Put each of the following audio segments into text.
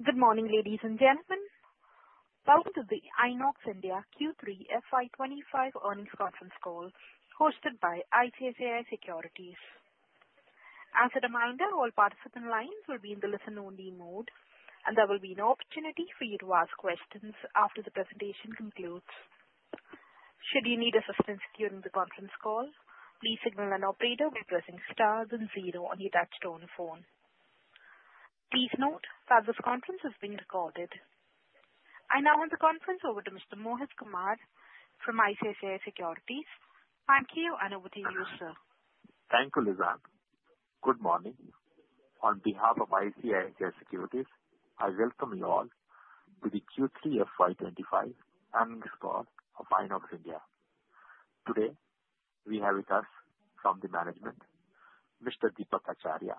Good morning, ladies and gentlemen. Welcome to the INOX India Q3 FY25 earnings conference call hosted by ICICI Securities. As a reminder, all participant lines will be in the listen-only mode, and there will be no opportunity for you to ask questions after the presentation concludes. Should you need assistance during the conference call, please signal an operator by pressing stars and zero on your touch-tone phone. Please note that this conference is being recorded. I now hand the conference over to Mr. Mohit Kumar from ICICI Securities. Thank you, and over to you, sir. Thank you, Lizan. Good morning. On behalf of ICICI Securities, I welcome you all to the Q3 FY25 earnings call of INOX India. Today, we have with us from the management, Mr. Deepak Acharya,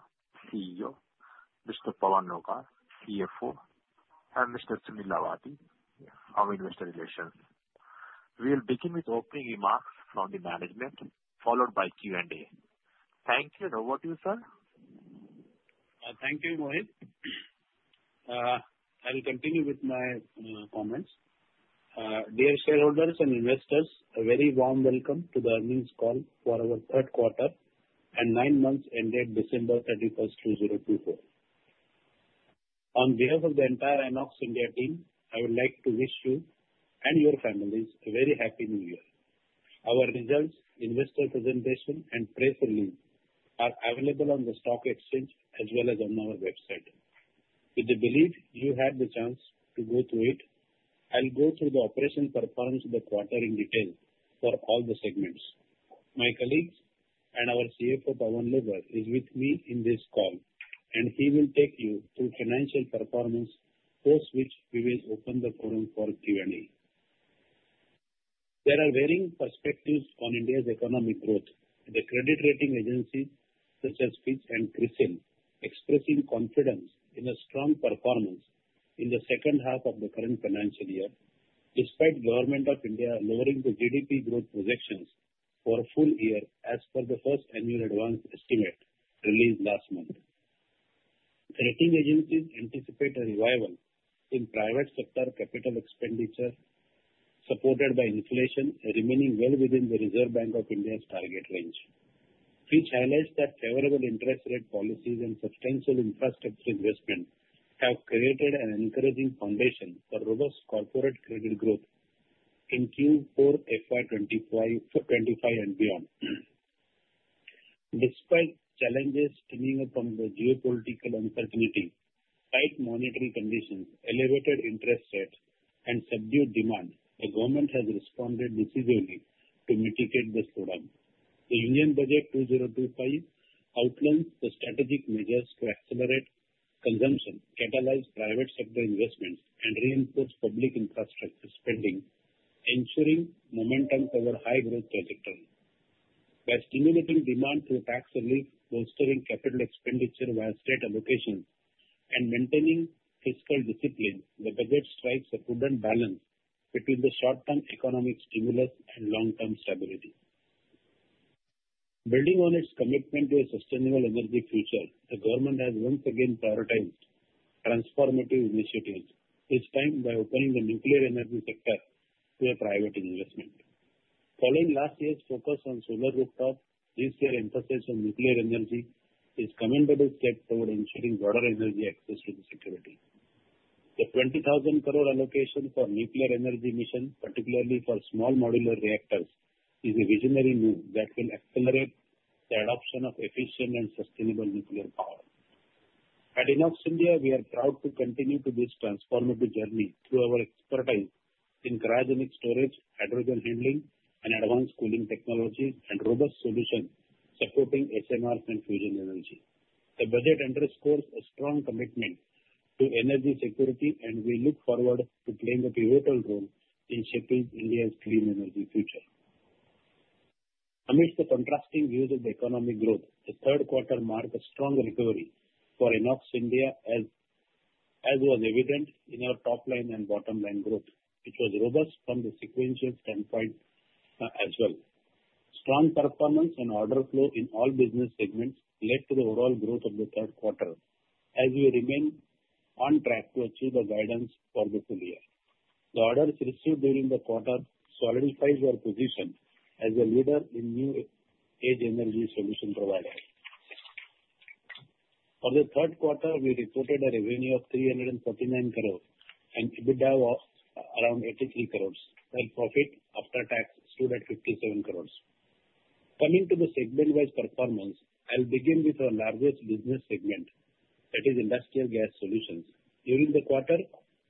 CEO, Mr. Pavan Kumar Jain, CFO, and Mr. Sunil Lavati from investor relations. We'll begin with opening remarks from the management, followed by Q&A. Thank you, and over to you, sir. Thank you, Mohit. I will continue with my comments. Dear shareholders and investors, a very warm welcome to the earnings call for our third quarter and nine months ending December 31st, 2024. On behalf of the entire INOX India team, I would like to wish you and your families a very happy New Year. Our results, investor presentation, and press release are available on the stock exchange as well as on our website. With the belief you had the chance to go through it, I'll go through the operational performance of the quarter in detail for all the segments. My colleagues and our CFO, Pavan Jain, is with me in this call, and he will take you through financial performance, post which we will open the forum for Q&A. There are varying perspectives on India's economic growth. The credit rating agencies such as Fitch and CRISIL expressing confidence in a strong performance in the second half of the current financial year, despite the government of India lowering the GDP growth projections for a full year as per the first annual advance estimate released last month. Rating agencies anticipate a revival in private sector capital expenditure, supported by inflation remaining well within the Reserve Bank of India's target range. Fitch highlights that favorable interest rate policies and substantial infrastructure investment have created an encouraging foundation for robust corporate credit growth in Q4 FY25 and beyond. Despite challenges stemming from the geopolitical uncertainty, tight monetary conditions, elevated interest rates, and subdued demand, the government has responded decisively to mitigate the slowdown. The Union Budget 2025 outlines the strategic measures to accelerate consumption, catalyze private sector investments, and reinforce public infrastructure spending, ensuring momentum for a high-growth trajectory. By stimulating demand through tax relief, bolstering capital expenditure via state allocations, and maintaining fiscal discipline, the budget strikes a prudent balance between the short-term economic stimulus and long-term stability. Building on its commitment to a sustainable energy future, the government has once again prioritized transformative initiatives, this time by opening the nuclear energy sector to private investment. Following last year's focus on solar rooftops, this year's emphasis on nuclear energy is a commendable step toward ensuring broader energy access and security. The 20,000 crore allocation for nuclear energy missions, particularly for small modular reactors, is a visionary move that will accelerate the adoption of efficient and sustainable nuclear power. At INOX India, we are proud to continue this transformative journey through our expertise in cryogenic storage, hydrogen handling, and advanced cooling technologies, and robust solutions supporting SMRs and fusion energy. The budget underscores a strong commitment to energy security, and we look forward to playing a pivotal role in shaping India's clean energy future. Amidst the contrasting views of economic growth, the third quarter marked a strong recovery for INOX India, as was evident in our top-line and bottom-line growth, which was robust from the sequential standpoint as well. Strong performance and order flow in all business segments led to the overall growth of the third quarter, as we remain on track to achieve the guidance for the full year. The orders received during the quarter solidified our position as a leader in new-age energy solution providers. For the third quarter, we reported a revenue of 349 crores and EBITDA of around 83 crores. Net profit after tax stood at 57 crores. Coming to the segment-wise performance, I'll begin with our largest business segment, that is Industrial Gas Solutions. During the quarter,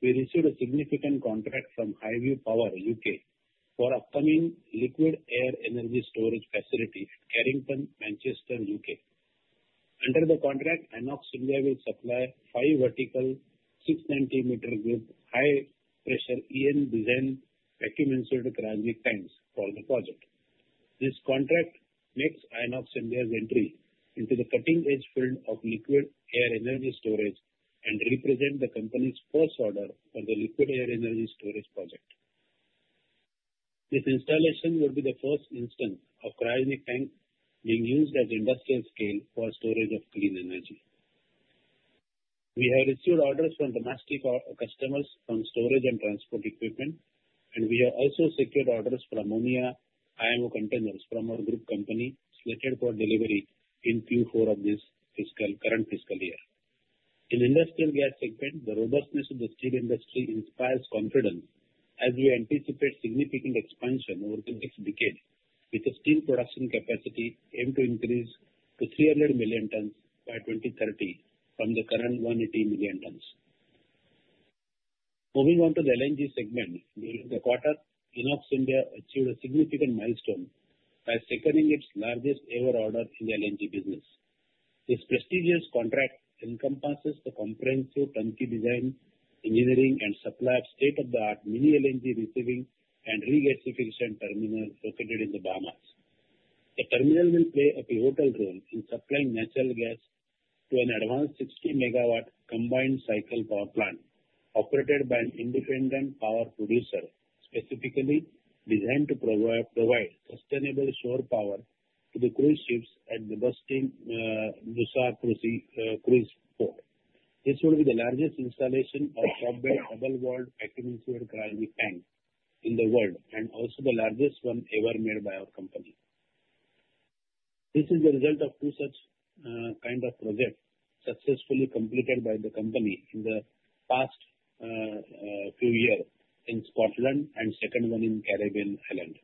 we received a significant contract from Highview Power U.K. for an upcoming liquid air energy storage facility in Carrington, Manchester, U.K. Under the contract, INOX India will supply five vertical 690 m3 rigid high-pressure EN-designed vacuum-insulated cryogenic tanks for the project. This contract makes INOX India's entry into the cutting-edge field of liquid air energy storage and represents the company's first order for the liquid air energy storage project. This installation will be the first instance of cryogenic tanks being used at industrial scale for storage of clean energy. We have received orders from domestic customers on storage and transport equipment, and we have also secured orders for ammonia IMO containers from our group company slated for delivery in Q4 of this current fiscal year. In the industrial gas segment, the robustness of the steel industry inspires confidence as we anticipate significant expansion over the next decade, with the steel production capacity aimed to increase to 300 million tons by 2030 from the current 180 million tons. Moving on to the LNG segment, during the quarter, INOX India achieved a significant milestone by securing its largest-ever order in the LNG business. This prestigious contract encompasses the comprehensive tankage design, engineering, and supply of state-of-the-art mini-LNG receiving and regasification terminal located in the Bahamas. The terminal will play a pivotal role in supplying natural gas to an advanced 60-megawatt combined cycle power plant operated by an independent power producer, specifically designed to provide sustainable shore power to the cruise ships at the bustling Nassau Cruise Port. This will be the largest installation of shop-built double-walled vacuum-insulated cryogenic tanks in the world and also the largest one ever made by our company. This is the result of two such kinds of projects successfully completed by the company in the past few years in Scotland and the second one in the Caribbean island.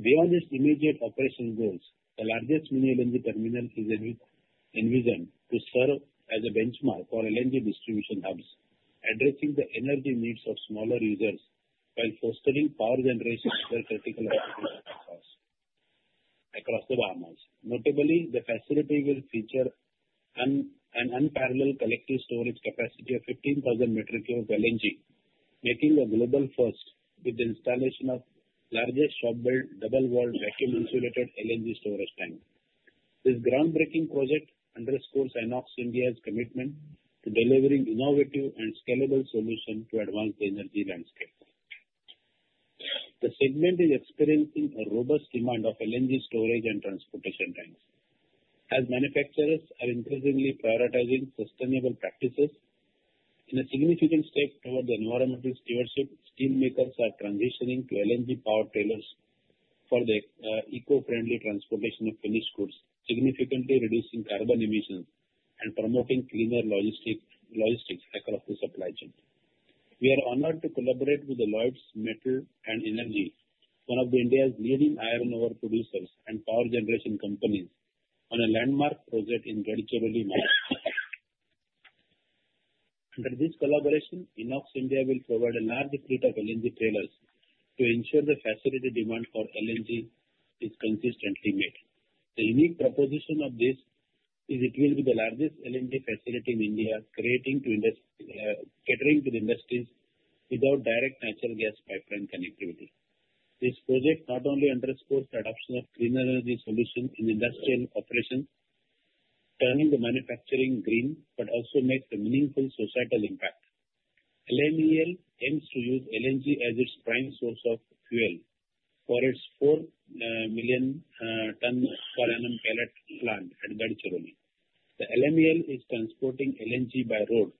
Beyond its immediate operational goals, the largest mini-LNG terminal is envisioned to serve as a benchmark for LNG distribution hubs, addressing the energy needs of smaller users while fostering power generation where critical applications are across the Bahamas. Notably, the facility will feature an unparalleled collective storage capacity of 15,000 metric tons of LNG, making it a global first with the installation of the largest shop-built double-walled vacuum-insulated LNG storage tank. This groundbreaking project underscores INOX India's commitment to delivering innovative and scalable solutions to advance the energy landscape. The segment is experiencing a robust demand for LNG storage and transportation tanks. As manufacturers are increasingly prioritizing sustainable practices in a significant step toward the environmental stewardship, steelmakers are transitioning to LNG power trailers for the eco-friendly transportation of finished goods, significantly reducing carbon emissions and promoting cleaner logistics across the supply chain. We are honored to collaborate with Lloyds Metals & Energy, one of India's leading iron ore producers and power generation companies, on a landmark project in Gadchiroli. Under this collaboration, INOX India will provide a large fleet of LNG trailers to ensure the facility demand for LNG is consistently met. The unique proposition of this is it will be the largest LNG facility in India, catering to the industries without direct natural gas pipeline connectivity. This project not only underscores the adoption of clean energy solutions in industrial operations, turning the manufacturing green, but also makes a meaningful societal impact. LMEL aims to use LNG as its prime source of fuel for its 4 million-ton per annum pellet plant at Gadchiroli. The LMEL is transporting LNG by road,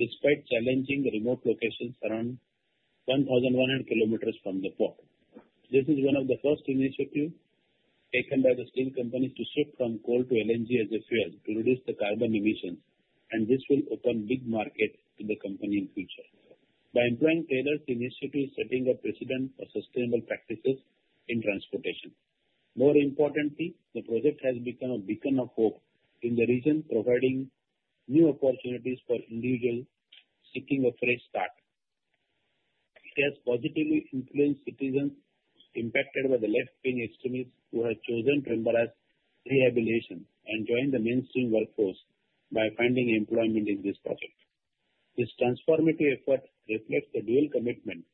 despite challenging remote locations around 1,100 kilometers from the port. This is one of the first initiatives taken by the steel companies to shift from coal to LNG as a fuel to reduce the carbon emissions, and this will open big markets to the company in the future. By employing trailers, the initiative is setting a precedent for sustainable practices in transportation. More importantly, the project has become a beacon of hope in the region, providing new opportunities for individuals seeking a fresh start. It has positively influenced citizens impacted by the left-wing extremists who have chosen tribals rehabilitation and joined the mainstream workforce by finding employment in this project. This transformative effort reflects the dual commitment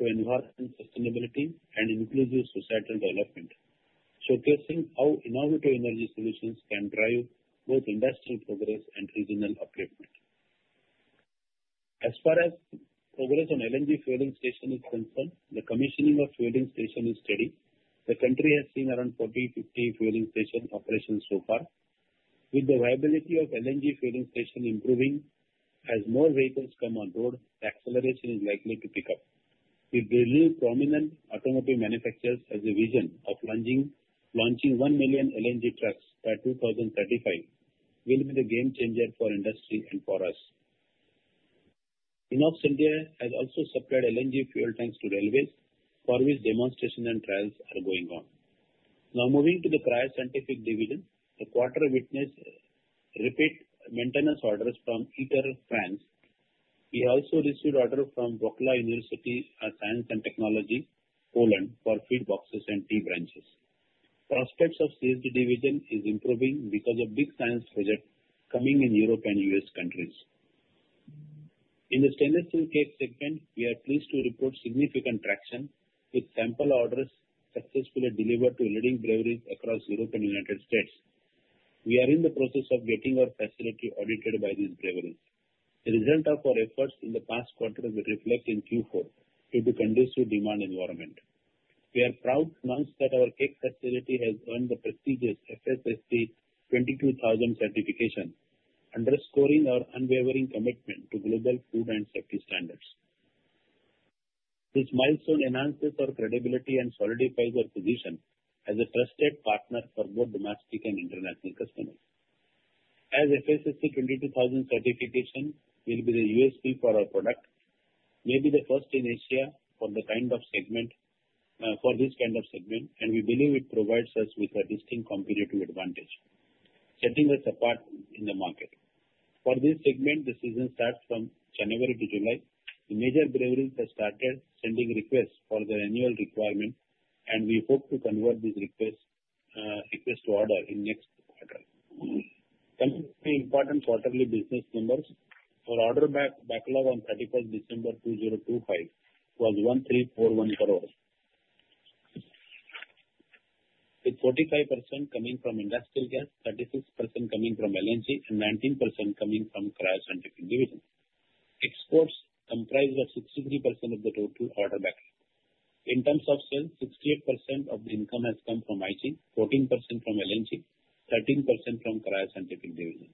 to enhancing sustainability and inclusive societal development, showcasing how innovative energy solutions can drive both industrial progress and regional upliftment. As far as progress on LNG fueling stations is concerned, the commissioning of fueling stations is steady. The country has seen around 40-50 fueling stations operations so far. With the viability of LNG fueling stations improving as more vehicles come on board, the acceleration is likely to pick up. With the new prominent automotive manufacturers' vision of launching 1 million LNG trucks by 2035, it will be a game-changer for industry and for us. INOX India has also supplied LNG fuel tanks to railways, for which demonstrations and trials are going on. Now, moving to the Cryo Scientific Division, the quarter witnessed repeat maintenance orders from ITER France. We also received orders from Wrocław University of Science and Technology, Poland, for feed boxes and tee branches. The prospects of the CSD division are improving because of big science projects coming in Europe and the USA. In the stainless steel keg segment, we are pleased to report significant traction with sample orders successfully delivered to leading breweries across Europe and the United States. We are in the process of getting our facility audited by these breweries. The result of our efforts in the past quarter will reflect in Q4 due to the conditions of demand and environment. We are proud to announce that our keg facility has earned the prestigious FSSC 22000 certification, underscoring our unwavering commitment to global food and safety standards. This milestone enhances our credibility and solidifies our position as a trusted partner for both domestic and international customers. As FSSC 22000 certification will be the USP for our product, we may be the first in Asia for this kind of segment, and we believe it provides us with a distinct competitive advantage, setting us apart in the market. For this segment, the season starts from January to July. The major breweries have started sending requests for their annual requirement, and we hope to convert these requests to orders in the next quarter. Considering the important quarterly business numbers, our order backlog on 31st December 2025 was INR 1,341 crores, with 45% coming from industrial gas, 36% coming from LNG, and 19% coming from the Cryo Scientific Division. Exports comprised 63% of the total order backlog. In terms of sales, 68% of the income has come from IG, 14% from LNG, and 13% from the cryoscientific division.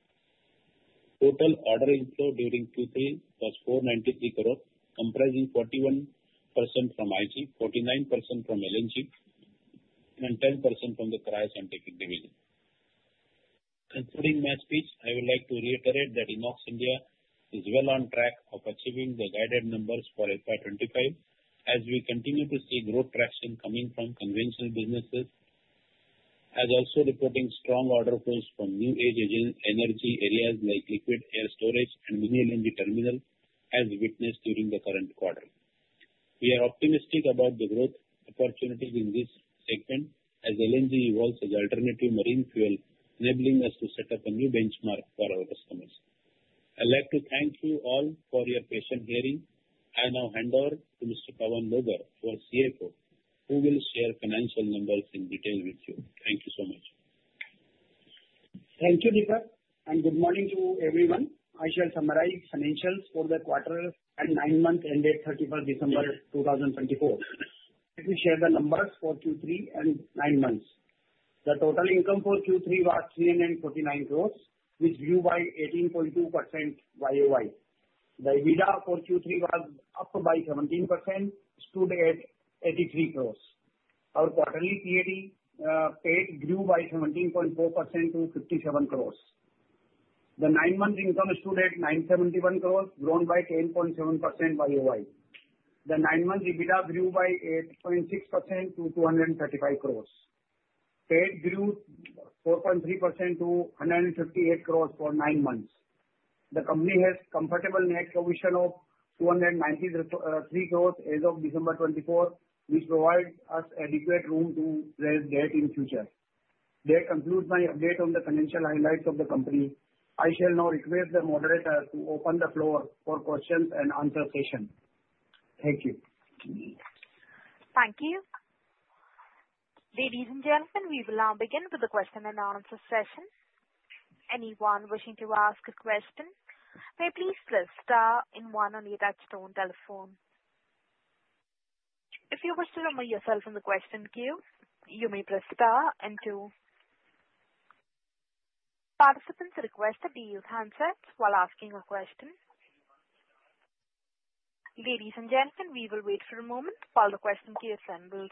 Total order inflow during Q3 was 493 crores, comprising 41% from IG, 49% from LNG, and 10% from the cryoscientific division. Concluding my speech, I would like to reiterate that INOX India is well on track for achieving the guided numbers for FY25, as we continue to see growth traction coming from conventional businesses, as well as reporting strong order flows from new-age energy areas like liquid air storage and mini-LNG terminals, as witnessed during the current quarter. We are optimistic about the growth opportunities in this segment as LNG evolves as an alternative marine fuel, enabling us to set up a new benchmark for our customers. I'd like to thank you all for your patient hearing. I now hand over to Mr.Jain, Chief Financial Officer, who will share financial numbers in detail with you. Thank you so much. Thank you, Deepak, and good morning to everyone. I shall summarize financials for the quarter and nine months ended 31st December 2024. Let me share the numbers for Q3 and nine months. The total income for Q3 was 349 crores, up by 18.2% YoY. The EBITDA for Q3 was up by 17%, stood at 83 crores. Our quarterly PAT grew by 17.4% to 57 crores. The nine-month income stood at 971 crores, grown by 10.7% YoY. The nine-month EBITDA grew by 8.6% to 235 crores. PAT grew 4.3% to 158 crores for nine months. The company has a comfortable net cash of 293 crores as of December 2024, which provides us adequate room to raise debt in the future. That concludes my update on the financial highlights of the company. I shall now request the moderator to open the floor for questions and answer session. Thank you. Thank you. Ladies and gentlemen, we will now begin with the question and answer session. Anyone wishing to ask a question may please press star, one on the touch-tone telephone. If you wish to withdraw yourself from the question queue, you may press star, two. Participants are requested to use handsets while asking a question. Ladies and gentlemen, we will wait for a moment while the question queue assembles.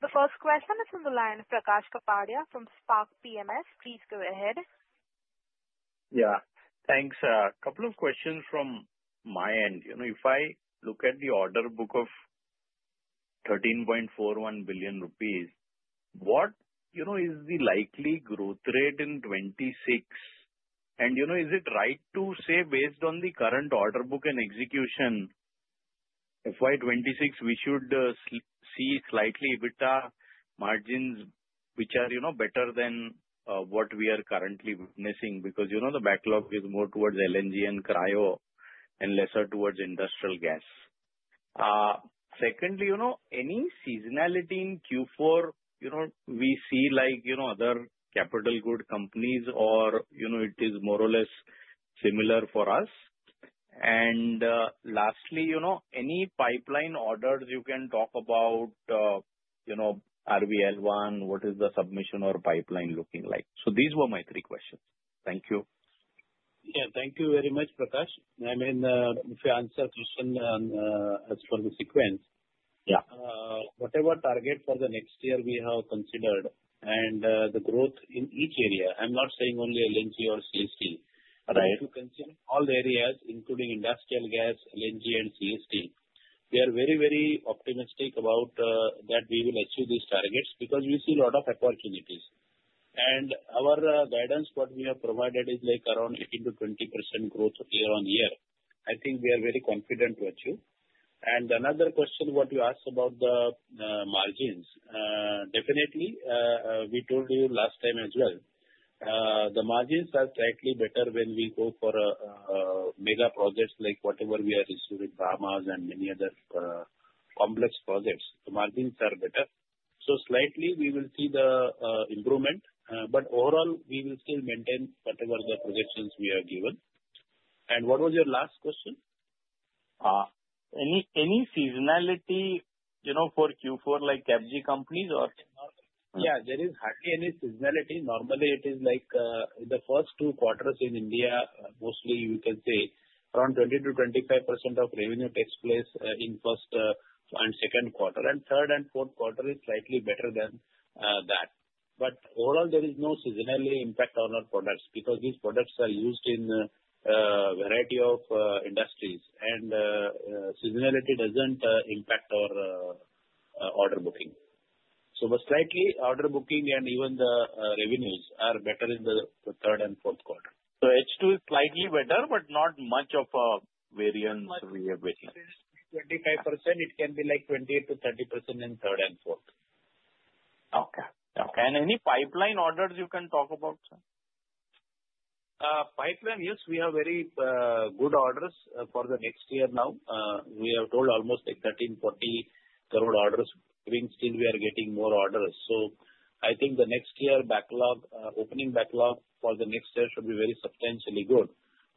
The first question is from the line of Prakash Kapadia from Spark PMS. Please go ahead. Yeah, thanks. A couple of questions from my end. If I look at the order book of 13.41 billion rupees, what is the likely growth rate in 26? And is it right to say, based on the current order book and execution, FY26, we should see slightly EBITDA margins, which are better than what we are currently witnessing? Because the backlog is more towards LNG and cryo and lesser towards industrial gas. Secondly, any seasonality in Q4 we see like other capital good companies, or it is more or less similar for us? And lastly, any pipeline orders you can talk about? Are we L1, what is the submission or pipeline looking like? So these were my three questions. Thank you. Yeah, thank you very much, Prakash. I mean, if you answer the question as for the sequence, whatever target for the next year we have considered and the growth in each area, I'm not saying only LNG or CST, right? If you consider all the areas, including industrial gas, LNG, and CSD, we are very, very optimistic about that we will achieve these targets because we see a lot of opportunities. Our guidance, what we have provided, is like around 18%-20% growth year on year. I think we are very confident to achieve. Another question, what you asked about the margins, definitely we told you last time as well, the margins are slightly better when we go for mega projects like whatever we are issued with Bahamas and many other complex projects. The margins are better. So slightly, we will see the improvement, but overall, we will still maintain whatever the projections we are given. What was your last question? Any seasonality for Q4 like CapEx companies or? Yeah, there is hardly any seasonality. Normally, it is like the first two quarters in India, mostly you can say around 20%-25% of revenue takes place in the first and second quarter. And third and fourth quarter is slightly better than that. But overall, there is no seasonality impact on our products because these products are used in a variety of industries, and seasonality doesn't impact our order booking. So slightly, order booking and even the revenues are better in the third and fourth quarter. So H2 is slightly better, but not much of a variance we are witnessing. 25%, it can be like 20%-30% in third and fourth. Okay. Okay. And any pipeline orders you can talk about, sir? Pipeline, yes, we have very good orders for the next year now. We have told almost like 1,340 crore orders. Even still, we are getting more orders. So, I think the next year backlog, opening backlog for the next year, should be very substantially good.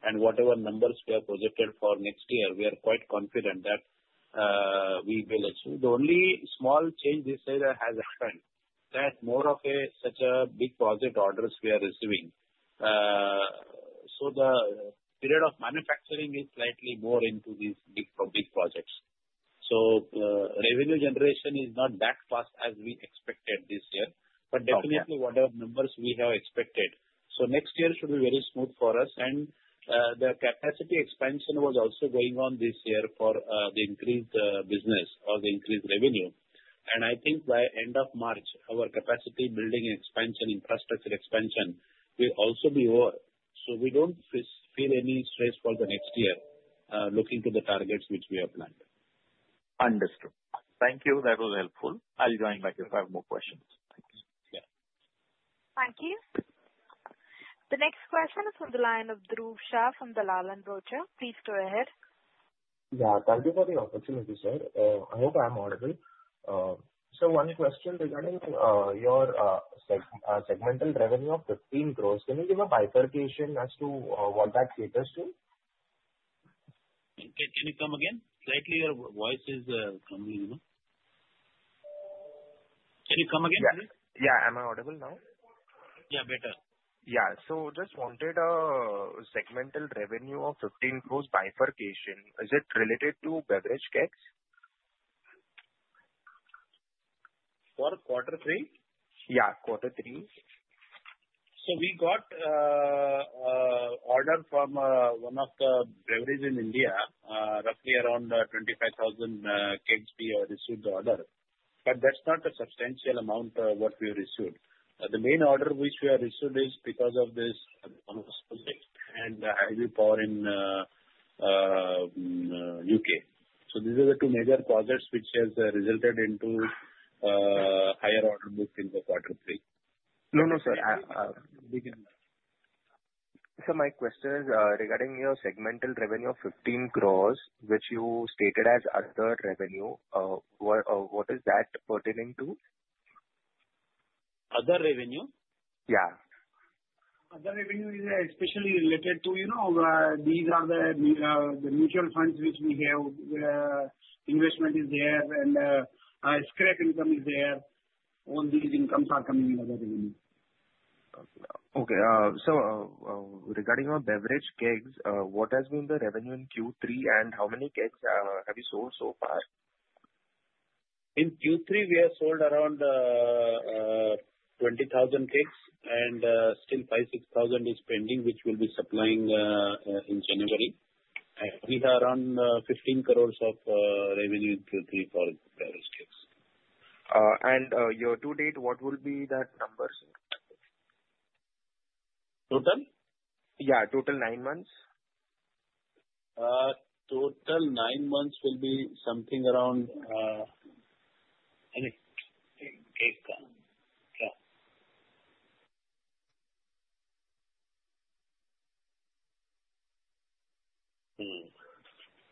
And whatever numbers we have projected for next year, we are quite confident that we will achieve. The only small change this year has happened that more of such big project orders we are receiving. So the period of manufacturing is slightly more into these big projects. So revenue generation is not that fast as we expected this year, but definitely whatever numbers we have expected. So next year should be very smooth for us. And the capacity expansion was also going on this year for the increased business or the increased revenue. And I think by end of March, our capacity building expansion, infrastructure expansion will also be over. So we don't feel any stress for the next year looking to the targets which we have planned. Understood. Thank you. That was helpful. I'll join back if I have more questions. Thank you. Thank you. The next question is from the line of Dhruv Shah from Dalal & Broacha. Please go ahead. Yeah, thank you for the opportunity, sir. I hope I am audible. So one question regarding your segmental revenue of 15 crores, can you give a bifurcation as to what that caters to? Can you come again? Slightly, your voice is coming. Can you come again? Yeah. Yeah. Am I audible now? Yeah, better. Yeah. So just wanted a segmental revenue of 15 crores bifurcation. Is it related to beverage kegs? For quarter three? Yeah, quarter three. So we got an order from one of the breweries in India, roughly around 25,000 kegs we have issued the order. But that's not a substantial amount of what we have issued. The main order which we have issued is because of this and the Highview Power in the U.K. So these are the two major projects which have resulted in higher order book in the quarter three. No, no, sir. Begin. So my question is regarding your segmental revenue of 15 crores, which you stated as other revenue. What is that pertaining to? Other revenue? Yeah. Other revenue is especially related to these are the mutual funds which we have. Investment is there, and scrap income is there. All these incomes are coming in other revenue. Okay. So regarding your beverage kegs, what has been the revenue in Q3, and how many kegs have you sold so far? In Q3, we have sold around 20,000 kegs, and still 5,000, 6,000 is pending, which we'll be supplying in January. And we have around 15 crores of revenue in Q3 for beverage kegs. And year to date, what will be that number? Total? Yeah, total nine months. Total nine months will be something around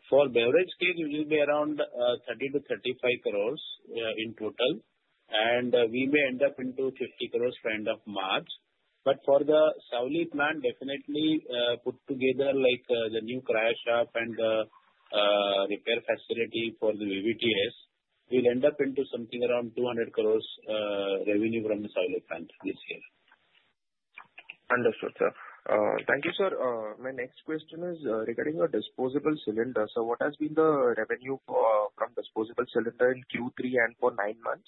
for beverage kegs, it will be around 30-35 crores in total. And we may end up into 50 crores by end of March. But for the Savli plant, definitely put together the new cryo shop and the repair facility for the VVTS, we'll end up into something around 200 crores revenue from the Savli plant this year. Understood, sir. Thank you, sir. My next question is regarding your disposable cylinder. So what has been the revenue from disposable cylinder in Q3 and for nine months?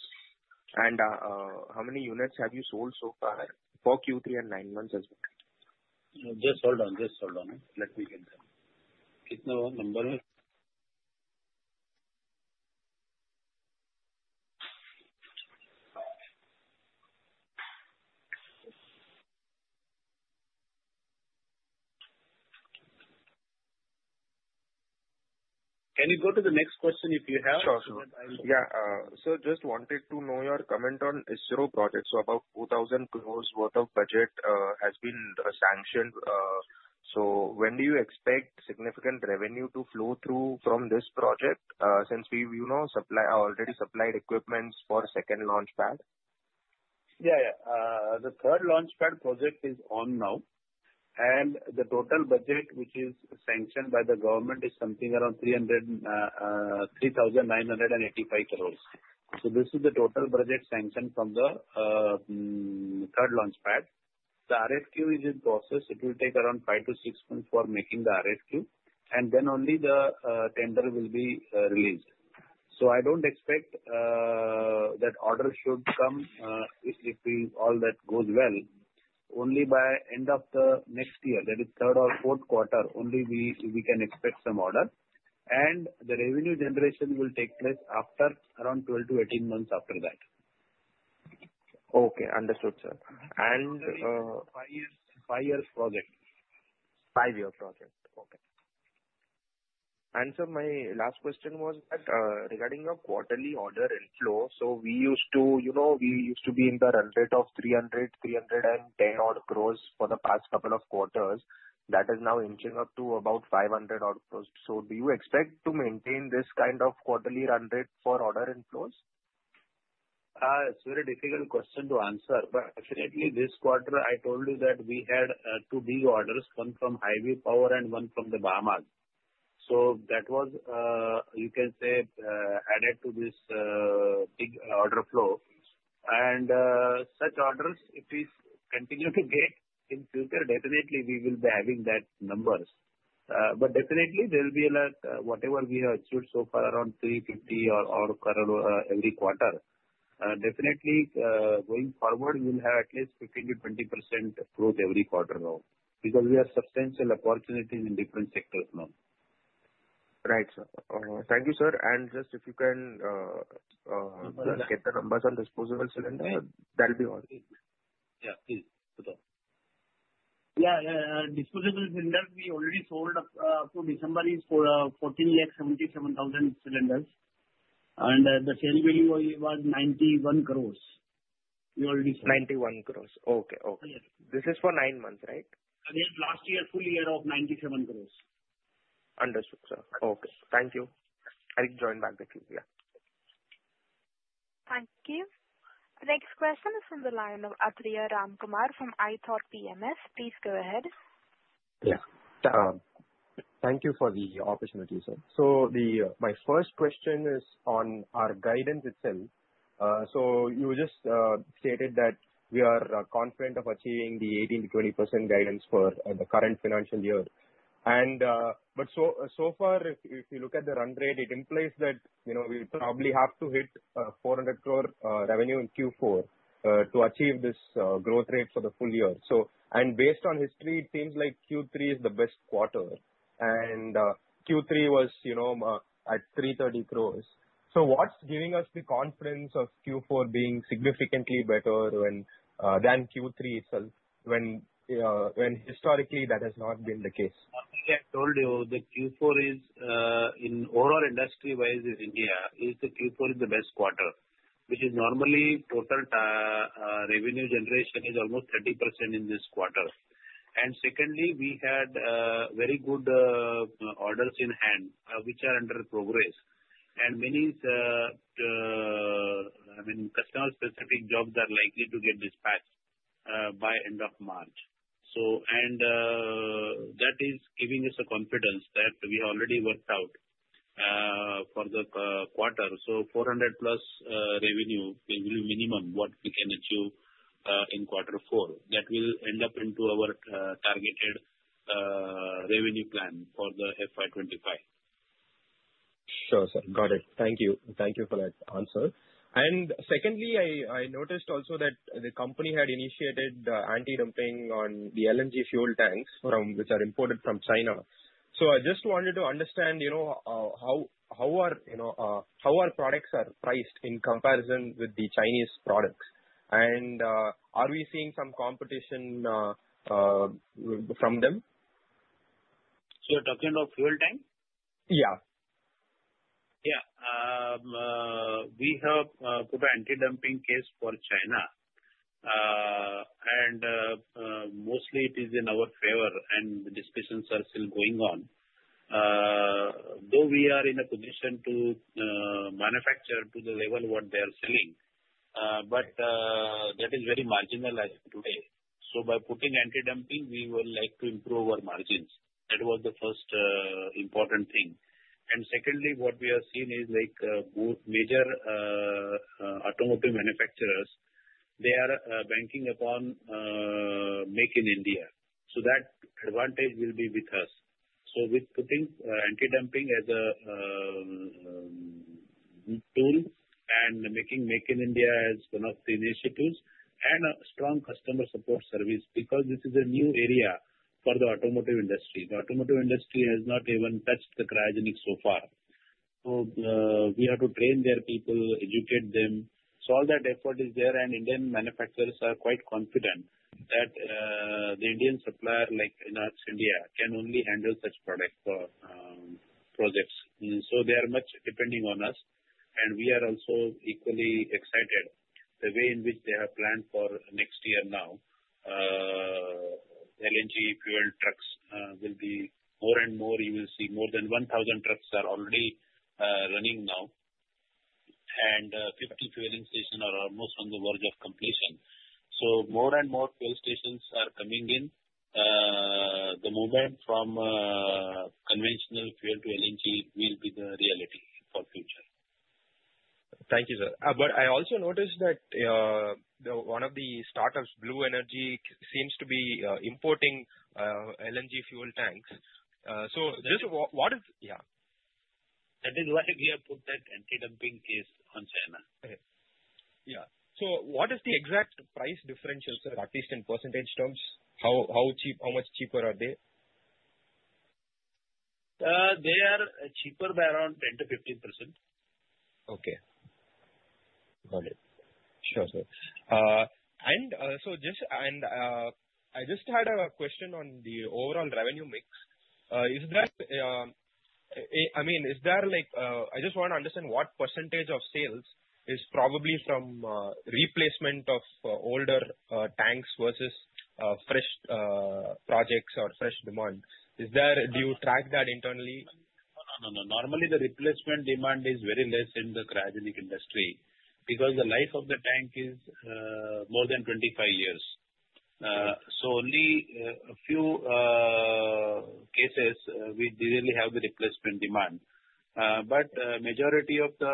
And how many units have you sold so far for Q3 and nine months as well? Just hold on. Just hold on. Let me get that. Number? Can you go to the next question if you have? Sure, sure. Yeah. So just wanted to know your comment on ISRO project. So about 2,000 crores worth of budget has been sanctioned. So when do you expect significant revenue to flow through from this project since we already supplied equipment for second launch pad? Yeah, yeah. The third launch pad project is on now. And the total budget which is sanctioned by the government is something around INR 3,985 crores. So this is the total budget sanctioned from the third launch pad. The RFQ is in process. It will take around five to six months for making the RFQ. And then only the tender will be released. So I don't expect that order should come if all that goes well. Only by end of the next year, that is third or fourth quarter, only we can expect some order. And the revenue generation will take place after around 12 to 18 months after that. Okay. Understood, sir. And five years project. Five-year project. Okay. And sir my last question was regarding your quarterly order inflow. So we used to be in the run rate of 300-310 crores for the past couple of quarters. That is now inching up to about 500 crores. So do you expect to maintain this kind of quarterly run rate for order inflows? It's a very difficult question to answer. But definitely, this quarter, I told you that we had two big orders, one from Highview Power and one from the Bahamas. So that was, you can say, added to this big order flow. And such orders, if we continue to get in future, definitely we will be having that numbers. But definitely, there will be whatever we have achieved so far, around 350 crore every quarter. Definitely, going forward, we will have at least 15%-20% growth every quarter now because we have substantial opportunities in different sectors now. Right, sir. Thank you, sir. And just if you can get the numbers on disposable cylinder, that'll be all. Yeah, please. Yeah, disposable cylinder, we already sold up to December is 1,477,000 cylinders. And the sale value was 91 crores. We already sold. 91 crores. Okay, okay. This is for nine months, right? Again, last year, full year of 97 crores. Understood, sir. Okay. Thank you. I'll join back with you. Yeah. Thank you. Next question is from the line of Athreya Ramkumar from iThought PMS. Please go ahead. Yeah. Thank you for the opportunity, sir. So my first question is on our guidance itself. So you just stated that we are confident of achieving the 18%-20% guidance for the current financial year. But so far, if you look at the run rate, it implies that we probably have to hit 400 crore revenue in Q4 to achieve this growth rate for the full year. And based on history, it seems like Q3 is the best quarter. And Q3 was at 330 crores. So what's giving us the confidence of Q4 being significantly better than Q3 itself when historically that has not been the case? I told you the Q4 is in overall industry-wise in India, the Q4 is the best quarter, which is normally total revenue generation is almost 30% in this quarter. And secondly, we had very good orders in hand, which are under progress. And many customer-specific jobs are likely to get dispatched by end of March. That is giving us a confidence that we have already worked out for the quarter. So 400-plus revenue will be minimum what we can achieve in quarter four. That will end up into our targeted revenue plan for the FY25. Sure, sir. Got it. Thank you. Thank you for that answer. And secondly, I noticed also that the company had initiated anti-dumping on the LNG fuel tanks which are imported from China. So I just wanted to understand how our products are priced in comparison with the Chinese products. And are we seeing some competition from them? So talking about fuel tank? Yeah. Yeah. We have put an anti-dumping case for China. And mostly, it is in our favor. And the discussions are still going on. Though we are in a position to manufacture to the level what they are selling, but that is very marginalized today. So by putting anti-dumping, we will like to improve our margins. That was the first important thing. And secondly, what we have seen is major automotive manufacturers, they are banking upon Make in India. So that advantage will be with us. So with putting anti-dumping as a tool and making Make in India as one of the initiatives and a strong customer support service because this is a new area for the automotive industry. The automotive industry has not even touched the cryogenics so far. So we have to train their people, educate them. So all that effort is there. And Indian manufacturers are quite confident that the Indian supplier like INOX India can only handle such projects. So they are much depending on us. And we are also equally excited. The way in which they have planned for next year now, LNG fuel trucks will be more and more. You will see more than 1,000 trucks are already running now. And 50 fueling stations are almost on the verge of completion. So more and more fuel stations are coming in. The movement from conventional fuel to LNG will be the reality for future. Thank you, sir. But I also noticed that one of the startups, Blue Energy Motors, seems to be importing LNG fuel tanks. So just what is, yeah. That is why we have put that anti-dumping case on China. Yeah. So what is the exact price differential, sir, at least in percentage terms? How much cheaper are they? They are cheaper by around 10%-15%. Okay. Got it. Sure, sir. And so I just had a question on the overall revenue mix. I mean, is there... I just want to understand what percentage of sales is probably from replacement of older tanks versus fresh projects or fresh demand. Do you track that internally? No, no, no. Normally, the replacement demand is very less in the cryogenic industry because the life of the tank is more than 25 years. So only a few cases we really have the replacement demand. But majority of the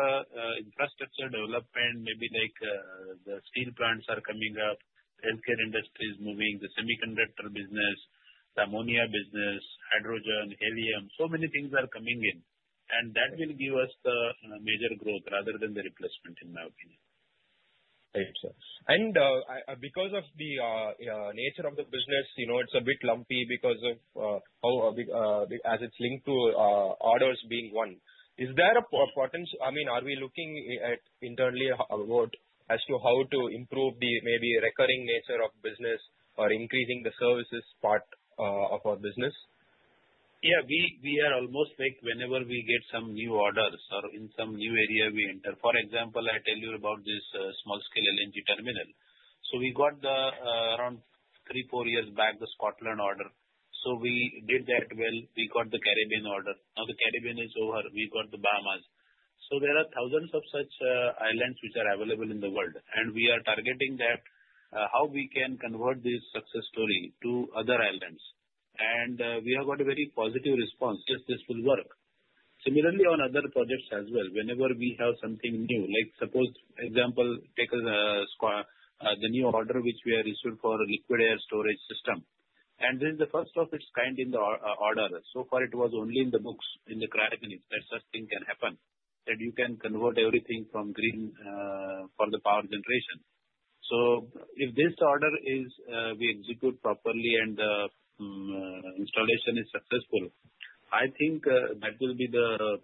infrastructure development, maybe the steel plants are coming up, healthcare industry is moving, the semiconductor business, the ammonia business, hydrogen, helium. So many things are coming in. And that will give us the major growth rather than the replacement, in my opinion. Thank you, sir. And because of the nature of the business, it's a bit lumpy because of how as it's linked to orders being one. Is there a potential? I mean, are we looking at internally as to how to improve the maybe recurring nature of business or increasing the services part of our business? Yeah. We are almost like whenever we get some new orders or in some new area we enter. For example, I tell you about this small-scale LNG terminal. So we got around three, four years back the Scotland order. So we did that well. We got the Caribbean order. Now the Caribbean is over. We got the Bahamas. So there are thousands of such islands which are available in the world. And we are targeting that how we can convert this success story to other islands. And we have got a very positive response. Yes, this will work. Similarly, on other projects as well, whenever we have something new, like suppose example, take the new order which we have issued for a liquid air storage system. This is the first of its kind in the order. So far, it was only in the books in the cryogenics that such thing can happen, that you can convert everything from green for the power generation. If this order is we execute properly and the installation is successful, I think that will be the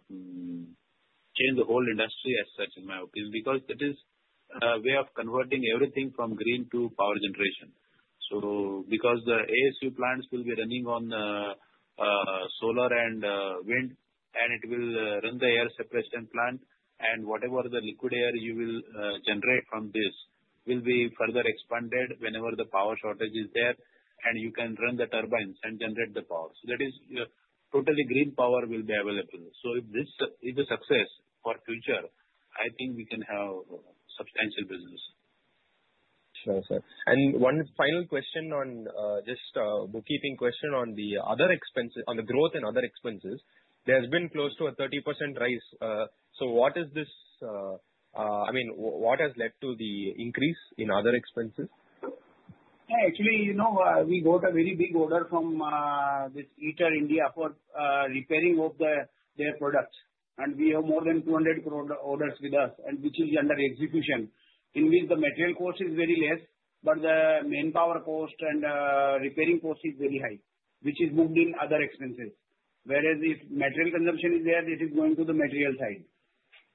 change the whole industry as such, in my opinion, because it is a way of converting everything from green to power generation. So because the ASU plants will be running on solar and wind, and it will run the air separation plant. And whatever the liquid air you will generate from this will be further expanded whenever the power shortage is there. You can run the turbines and generate the power. So that is totally green power will be available. So if this is a success for future, I think we can have substantial business. Sure, sir. One final question on just a bookkeeping question on the other expenses on the growth in other expenses. There has been close to a 30% rise. So what is this I mean, what has led to the increase in other expenses? Actually, we got a very big order from this ITER for repairing of their products. And we have more than 200 crore orders with us, which is under execution, in which the material cost is very less, but the main power cost and repairing cost is very high, which is moved in other expenses. Whereas if material consumption is there, it is going to the material side,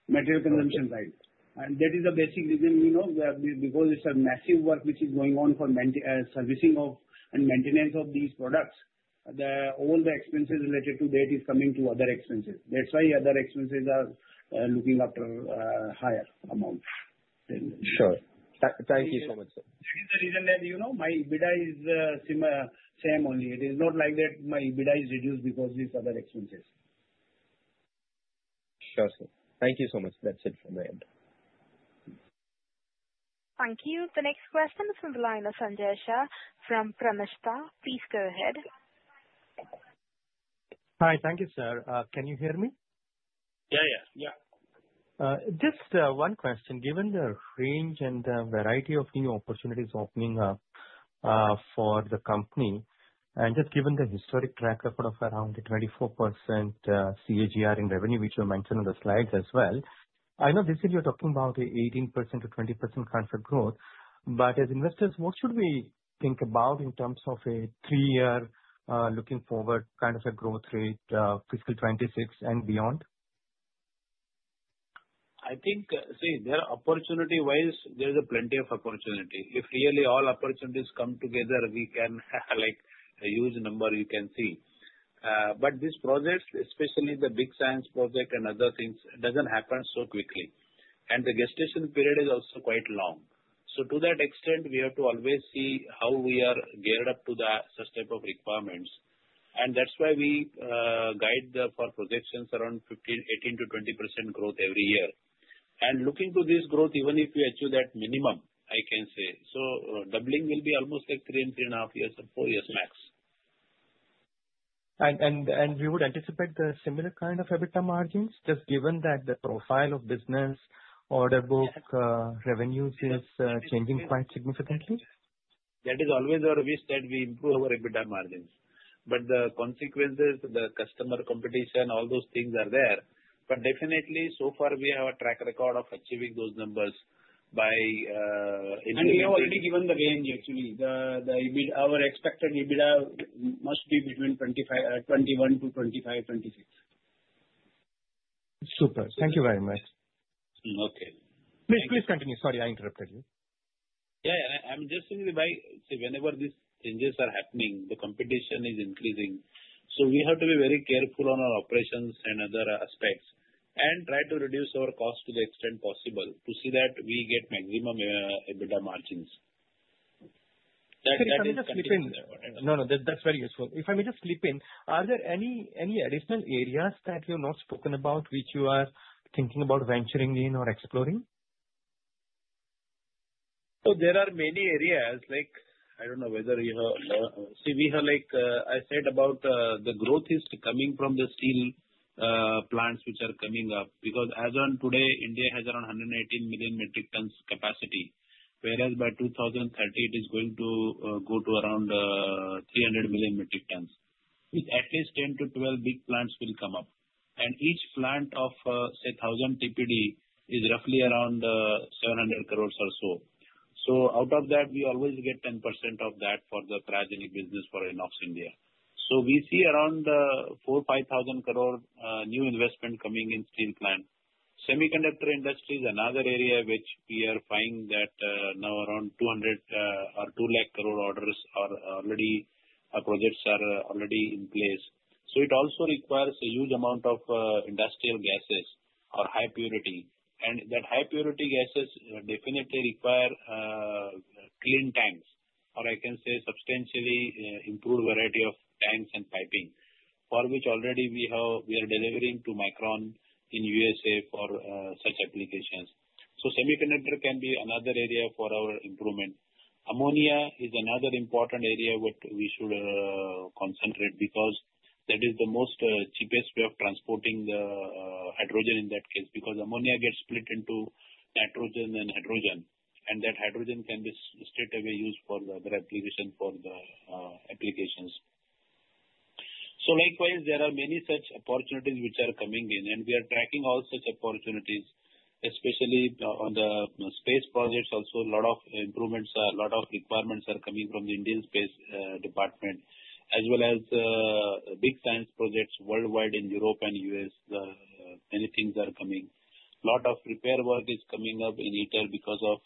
material consumption side. And that is the basic reason we know because it's a massive work which is going on for servicing and maintenance of these products. All the expenses related to that is coming to other expenses. That's why other expenses are looking after higher amount. Sure. Thank you so much, sir. That is the reason that my EBITDA is the same only. It is not like that my EBITDA is reduced because of these other expenses. Sure, sir. Thank you so much. That's it from my end. Thank you. The next question is from the line of Sanjay Shah from Purnartha. Please go ahead. Hi. Thank you, sir. Can you hear me? Yeah, yeah. Yeah. Just one question. Given the range and the variety of new opportunities opening up for the company, and just given the historic track record of around 24% CAGR in revenue, which you mentioned on the slides as well, I know this year you're talking about an 18%-20% kind of a growth. But as investors, what should we think about in terms of a three-year looking forward kind of a growth rate, fiscal 2026 and beyond? I think, see, there are opportunity-wise, there is plenty of opportunity. If really all opportunities come together, we can have a huge number you can see. But these projects, especially the big science project and other things, doesn't happen so quickly. And the gestation period is also quite long. So to that extent, we have to always see how we are geared up to such type of requirements. And that's why we guide for projections around 18%-20% growth every year. And looking to this growth, even if we achieve that minimum, I can say, so doubling will be almost like three and three and a half years or four years max. And we would anticipate the similar kind of EBITDA margins just given that the profile of business order book revenues is changing quite significantly? That is always our wish that we improve our EBITDA margins. But the consequences, the customer competition, all those things are there. But definitely, so far, we have a track record of achieving those numbers by. And we have already given the range, actually. Our expected EBITDA must be between 21%, 25%, 26%. Super. Thank you very much. Okay. Please continue. Sorry, I interrupted you. Yeah. I'm just saying that whenever these changes are happening, the competition is increasing. So we have to be very careful on our operations and other aspects and try to reduce our cost to the extent possible to see that we get maximum EBITDA margins. If I may just slip in. No, no. That's very useful. If I may just slip in, are there any additional areas that you have not spoken about which you are thinking about venturing in or exploring? So there are many areas. I don't know whether you have seen, I said about the growth is coming from the steel plants which are coming up because as of today, India has around 118 million metric tons capacity. Whereas by 2030, it is going to go to around 300 million metric tons. At least 10 to 12 big plants will come up. And each plant of, say, 1,000 TPD is roughly around 700 crores or so. So out of that, we always get 10% of that for the cryogenic business for INOX India. So we see around 4,000-5,000 crore new investment coming in steel plant. Semiconductor industry is another area which we are finding that now around 200 or 2 lakh crore orders are already projects are already in place. So it also requires a huge amount of industrial gases or high purity. And that high purity gases definitely require clean tanks or I can say substantially improved variety of tanks and piping for which already we are delivering to Micron in USA for such applications. So semiconductor can be another area for our improvement. Ammonia is another important area which we should concentrate because that is the most cheapest way of transporting the hydrogen in that case because ammonia gets split into nitrogen and hydrogen. That hydrogen can be straight away used for the other application for the applications. Likewise, there are many such opportunities which are coming in. We are tracking all such opportunities, especially on the space projects. Also, a lot of improvements, a lot of requirements are coming from the Indian Space Department as well as big science projects worldwide in Europe and U.S. Many things are coming. A lot of repair work is coming up in ITER because of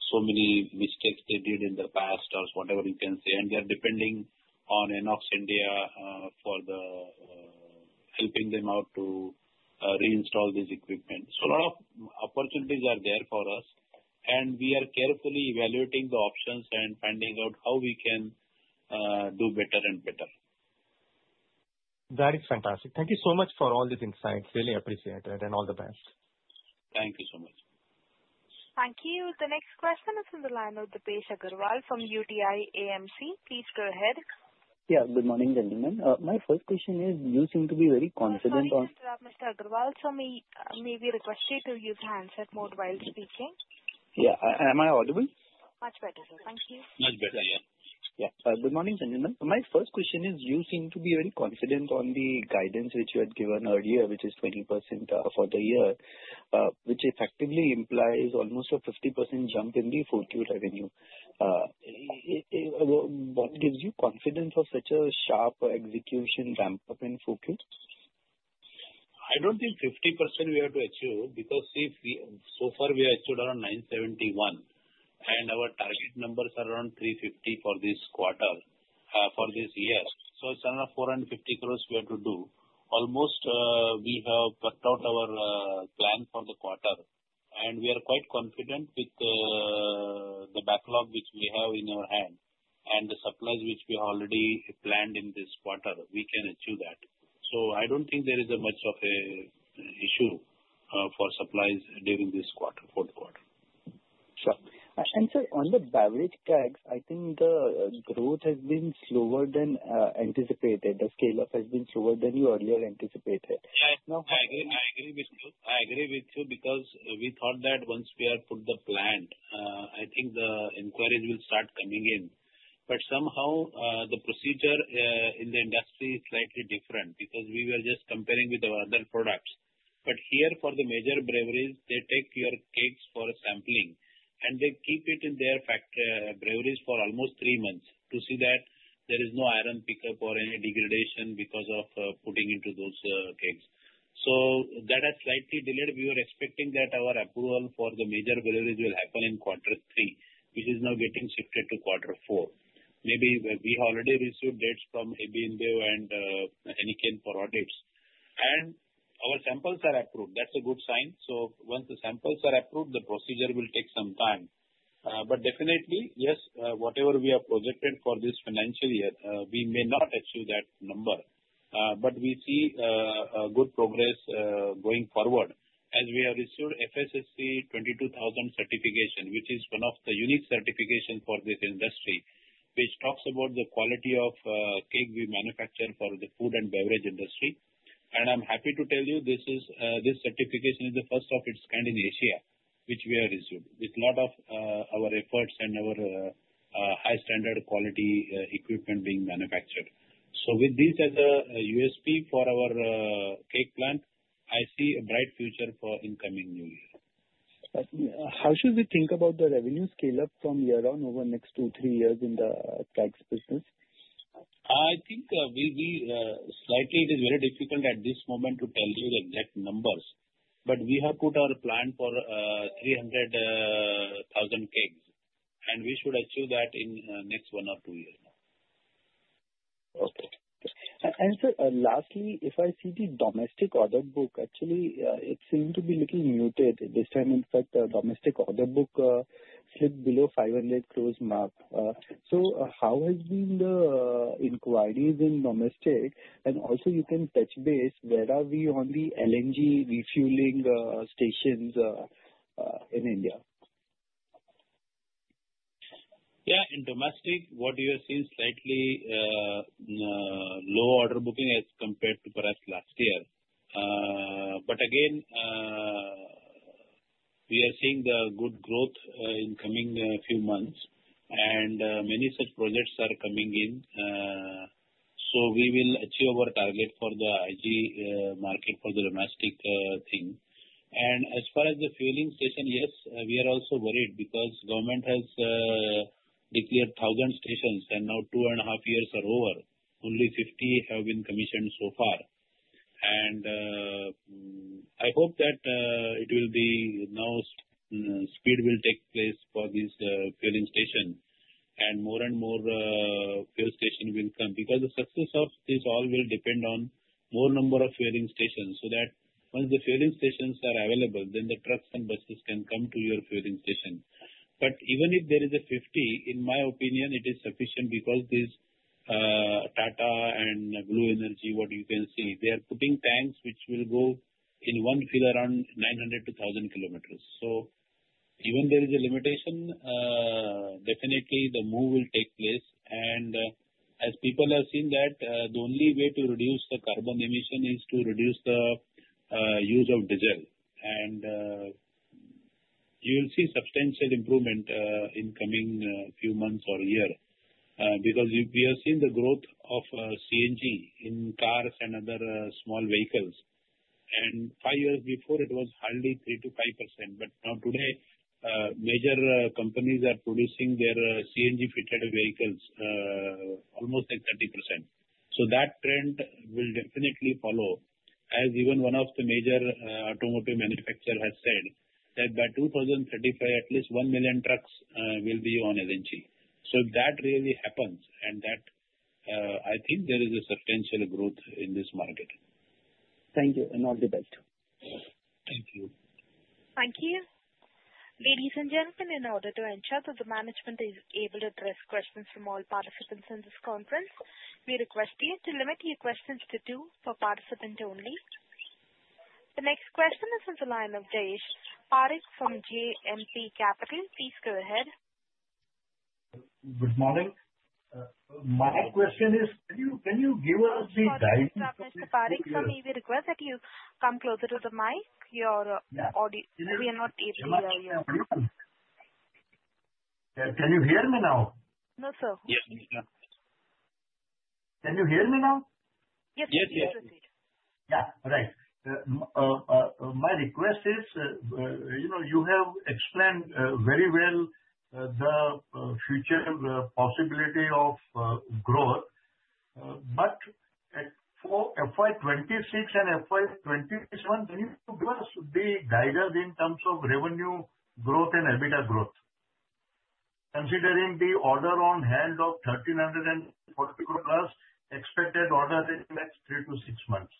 so many mistakes they did in the past or whatever you can say. They are depending on INOX India for helping them out to reinstall this equipment. A lot of opportunities are there for us. We are carefully evaluating the options and finding out how we can do better and better. That is fantastic. Thank you so much for all these insights. Really appreciate it. And all the best. Thank you so much. Thank you. The next question is from the line of Dipesh Agarwal from UTI AMC. Please go ahead. Yeah. Good morning gentlemen. Thank you, Mr. Agarwal. So may we request you to use handset mode while speaking? Yeah. Am I audible? Much better, sir. Thank you. Much better, yeah. Yeah. Good morning, Sanjay. My first question is, you seem to be very confident on the guidance which you had given earlier, which is 20% for the year, which effectively implies almost a 50% jump in the Q4 revenue. What gives you confidence of such a sharp execution ramp-up in Q4? I don't think 50% we have to achieve because so far we have achieved around 971. And our target numbers are around 350 for this quarter, for this year. So it's around 450 crores we have to do. Almost we have worked out our plan for the quarter. And we are quite confident with the backlog which we have in our hand and the supplies which we have already planned in this quarter. We can achieve that. So I don't think there is much of an issue for supplies during this quarter, fourth quarter. Sure. And sir, on the beverage kegs, I think the growth has been slower than anticipated. The scale-up has been slower than you earlier anticipated. Yeah. I agree with you. I agree with you because we thought that once we have put the plan, I think the inquiries will start coming in. But somehow, the procedure in the industry is slightly different because we were just comparing with our other products. But here for the major breweries, they take your kegs for sampling. They keep it in their breweries for almost three months to see that there is no iron pickup or any degradation because of putting into those kegs. That has slightly delayed. We were expecting that our approval for the major breweries will happen in quarter three, which is now getting shifted to quarter four. Maybe we already received dates from AB InBev and Heineken for audits. Our samples are approved. That's a good sign. Once the samples are approved, the procedure will take some time. Definitely, yes, whatever we have projected for this financial year, we may not achieve that number. We see good progress going forward as we have received FSSC 22000 certification, which is one of the unique certifications for this industry, which talks about the quality of keg we manufacture for the food and beverage industry. I'm happy to tell you this certification is the first of its kind in Asia, which we have received with a lot of our efforts and our high-standard quality equipment being manufactured. With this as a USP for our keg plant, I see a bright future for incoming new year. How should we think about the revenue scale-up from year on over the next two, three years in the kegs business? I think we'll be slightly. It is very difficult at this moment to tell you the exact numbers. But we have put our plan for 300,000 kegs. We should achieve that in the next one or two years now. Okay. Sir, lastly, if I see the domestic order book, actually, it seemed to be a little muted this time. In fact, the domestic order book slipped below 500 crores mark. So how has been the inquiries in domestic? And also, you can touch base, where are we on the LNG refueling stations in India? Yeah. In domestic, what you have seen is slightly lower order booking as compared to perhaps last year. But again, we are seeing the good growth in the coming few months. And many such projects are coming in. So we will achieve our target for the IG market for the domestic thing. And as far as the fueling station, yes, we are also worried because government has declared 1,000 stations. And now two and a half years are over. Only 50 have been commissioned so far. And I hope that it will be now. Speed will take place for this fueling station. And more and more fuel station will come because the success of this all will depend on more number of fueling stations. That once the fueling stations are available, then the trucks and buses can come to your fueling station. But even if there is a 50, in my opinion, it is sufficient because this Tata and Blue Energy, what you can see, they are putting tanks which will go in one fuel around 900-1,000 km. Even there is a limitation, definitely the move will take place. People have seen that the only way to reduce the carbon emission is to reduce the use of diesel. You will see substantial improvement in the coming few months or a year because we have seen the growth of CNG in cars and other small vehicles. Five years before, it was hardly 3%-5%. Now today, major companies are producing their CNG-fitted vehicles almost at 30%. That trend will definitely follow. And even one of the major automotive manufacturers has said that by 2035, at least 1 million trucks will be on LNG. So if that really happens, and that I think there is a substantial growth in this market. Thank you. And all the best. Thank you. Thank you. Ladies and gentlemen, in order to ensure that the management is able to address questions from all participants in this conference, we request you to limit your questions to two for participants only. The next question is from the line of Dev Parikh from JM Financial. Please go ahead. Good morning. My question is, can you give us the guidance? Mr. Parikh, request that you come closer to the mic. Your audio is not able to hear you. Can you hear me now? No, sir. Yes, Mr. Parikh. Can you hear me now? Yes, sir. Yes, yes. Yeah. All right. My request is, you have explained very well the future possibility of growth. But for FY 26 and FY 27, can you give us the guidance in terms of revenue growth and EBITDA growth, considering the order on hand of 1,340 crore plus expected order in the next three to six months?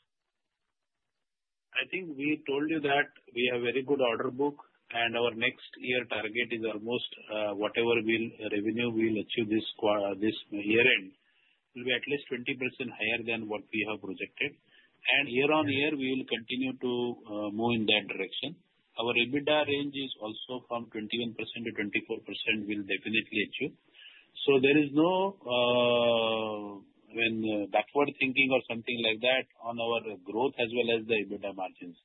I think we told you that we have a very good order book. And our next year target is almost whatever revenue we will achieve this year-end will be at least 20% higher than what we have projected. And year on year, we will continue to move in that direction. Our EBITDA range is also from 21%-24% we will definitely achieve. So there is no backward thinking or something like that on our growth as well as the EBITDA margins.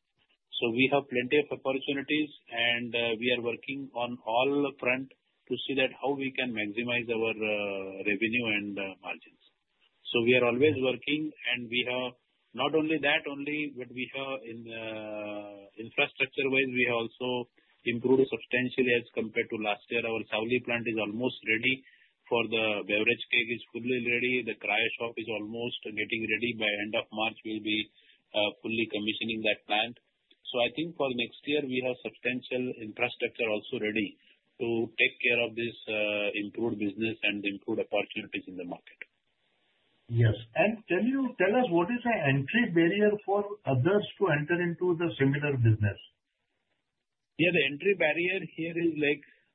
So we have plenty of opportunities. We are working on all fronts to see that how we can maximize our revenue and margins. So we are always working. And not only that, but we have infrastructure-wise, we have also improved substantially as compared to last year. Our Savli plant is almost ready for the beverage kegs is fully ready. The cryo shop is almost getting ready. By end of March, we'll be fully commissioning that plant. So I think for next year, we have substantial infrastructure also ready to take care of this improved business and improved opportunities in the market. Yes. Can you tell us what is the entry barrier for others to enter into the similar business? Yeah. The entry barrier here is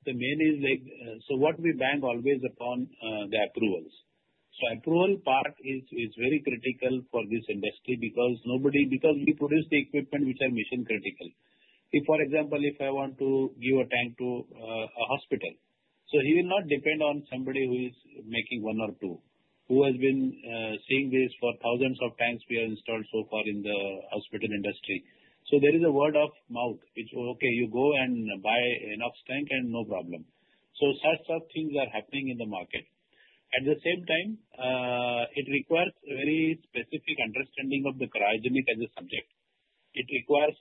the main is so what we bank always upon the approvals. So approval part is very critical for this industry because we produce the equipment which are mission-critical. For example, if I want to give a tank to a hospital, so he will not depend on somebody who is making one or two, who has been seeing this for thousands of tanks we have installed so far in the hospital industry. So there is a word of mouth, which, "Okay, you go and buy enough tank and no problem." So such things are happening in the market. At the same time, it requires very specific understanding of the cryogenic as a subject. It requires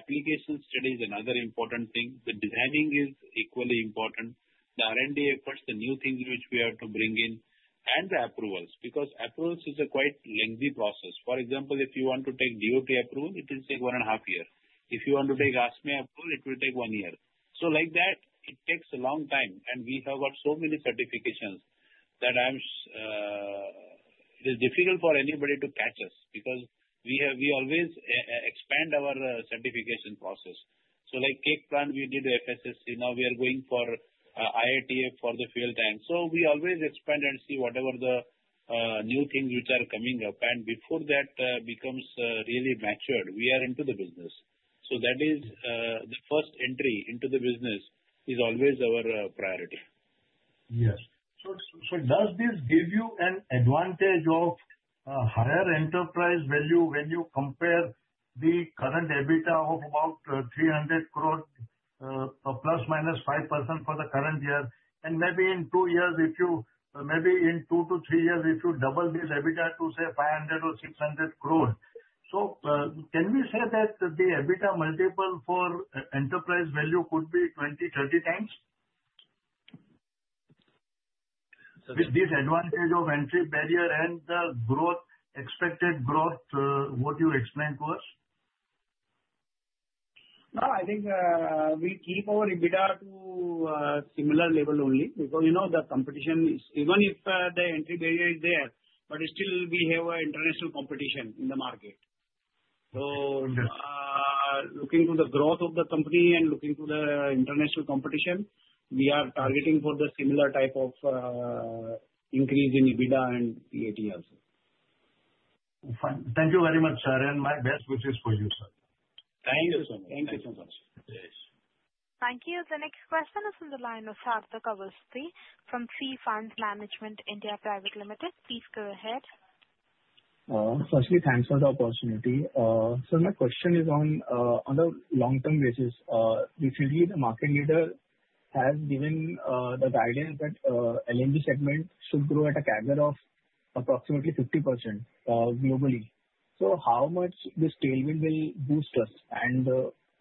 application studies and other important things. The designing is equally important. The R&D efforts, the new things which we have to bring in, and the approvals because approvals is a quite lengthy process. For example, if you want to take DOT approval, it will take one and a half year. If you want to take ASME approval, it will take one year. So like that, it takes a long time. And we have got so many certifications that it is difficult for anybody to catch us because we always expand our certification process. So like keg plant, we did FSSC. Now we are going for IATF for the fuel tank. So we always expand and see whatever the new things which are coming up. And before that becomes really matured, we are into the business. So that is the first entry into the business is always our priority. Yes. So does this give you an advantage of higher enterprise value when you compare the current EBITDA of about 300 crore plus minus 5% for the current year? And maybe in two years, if you maybe in two to three years, if you double this EBITDA to, say, 500 or 600 crore. So can we say that the EBITDA multiple for enterprise value could be 20, 30 times? With this advantage of entry barrier and the expected growth, what do you explain to us? No, I think we keep our EBITDA to a similar level only because the competition is even if the entry barrier is there. But still, we have an international competition in the market. So looking to the growth of the company and looking to the international competition, we are targeting for the similar type of increase in EBITDA and EAT also. Fine. Thank you very much, sir. And my best wishes for you, sir. Thank you so much. Thank you so much. Thank you. The next question is from the line of Sarthak Awasthi from Sea Funds Management India Private Limited. Please go ahead. Firstly, thanks for the opportunity. So my question is on a long-term basis. Recently, the market leader has given the guidance that LNG segment should grow at a CAGR of approximately 50% globally. So how much this tailwind will boost us and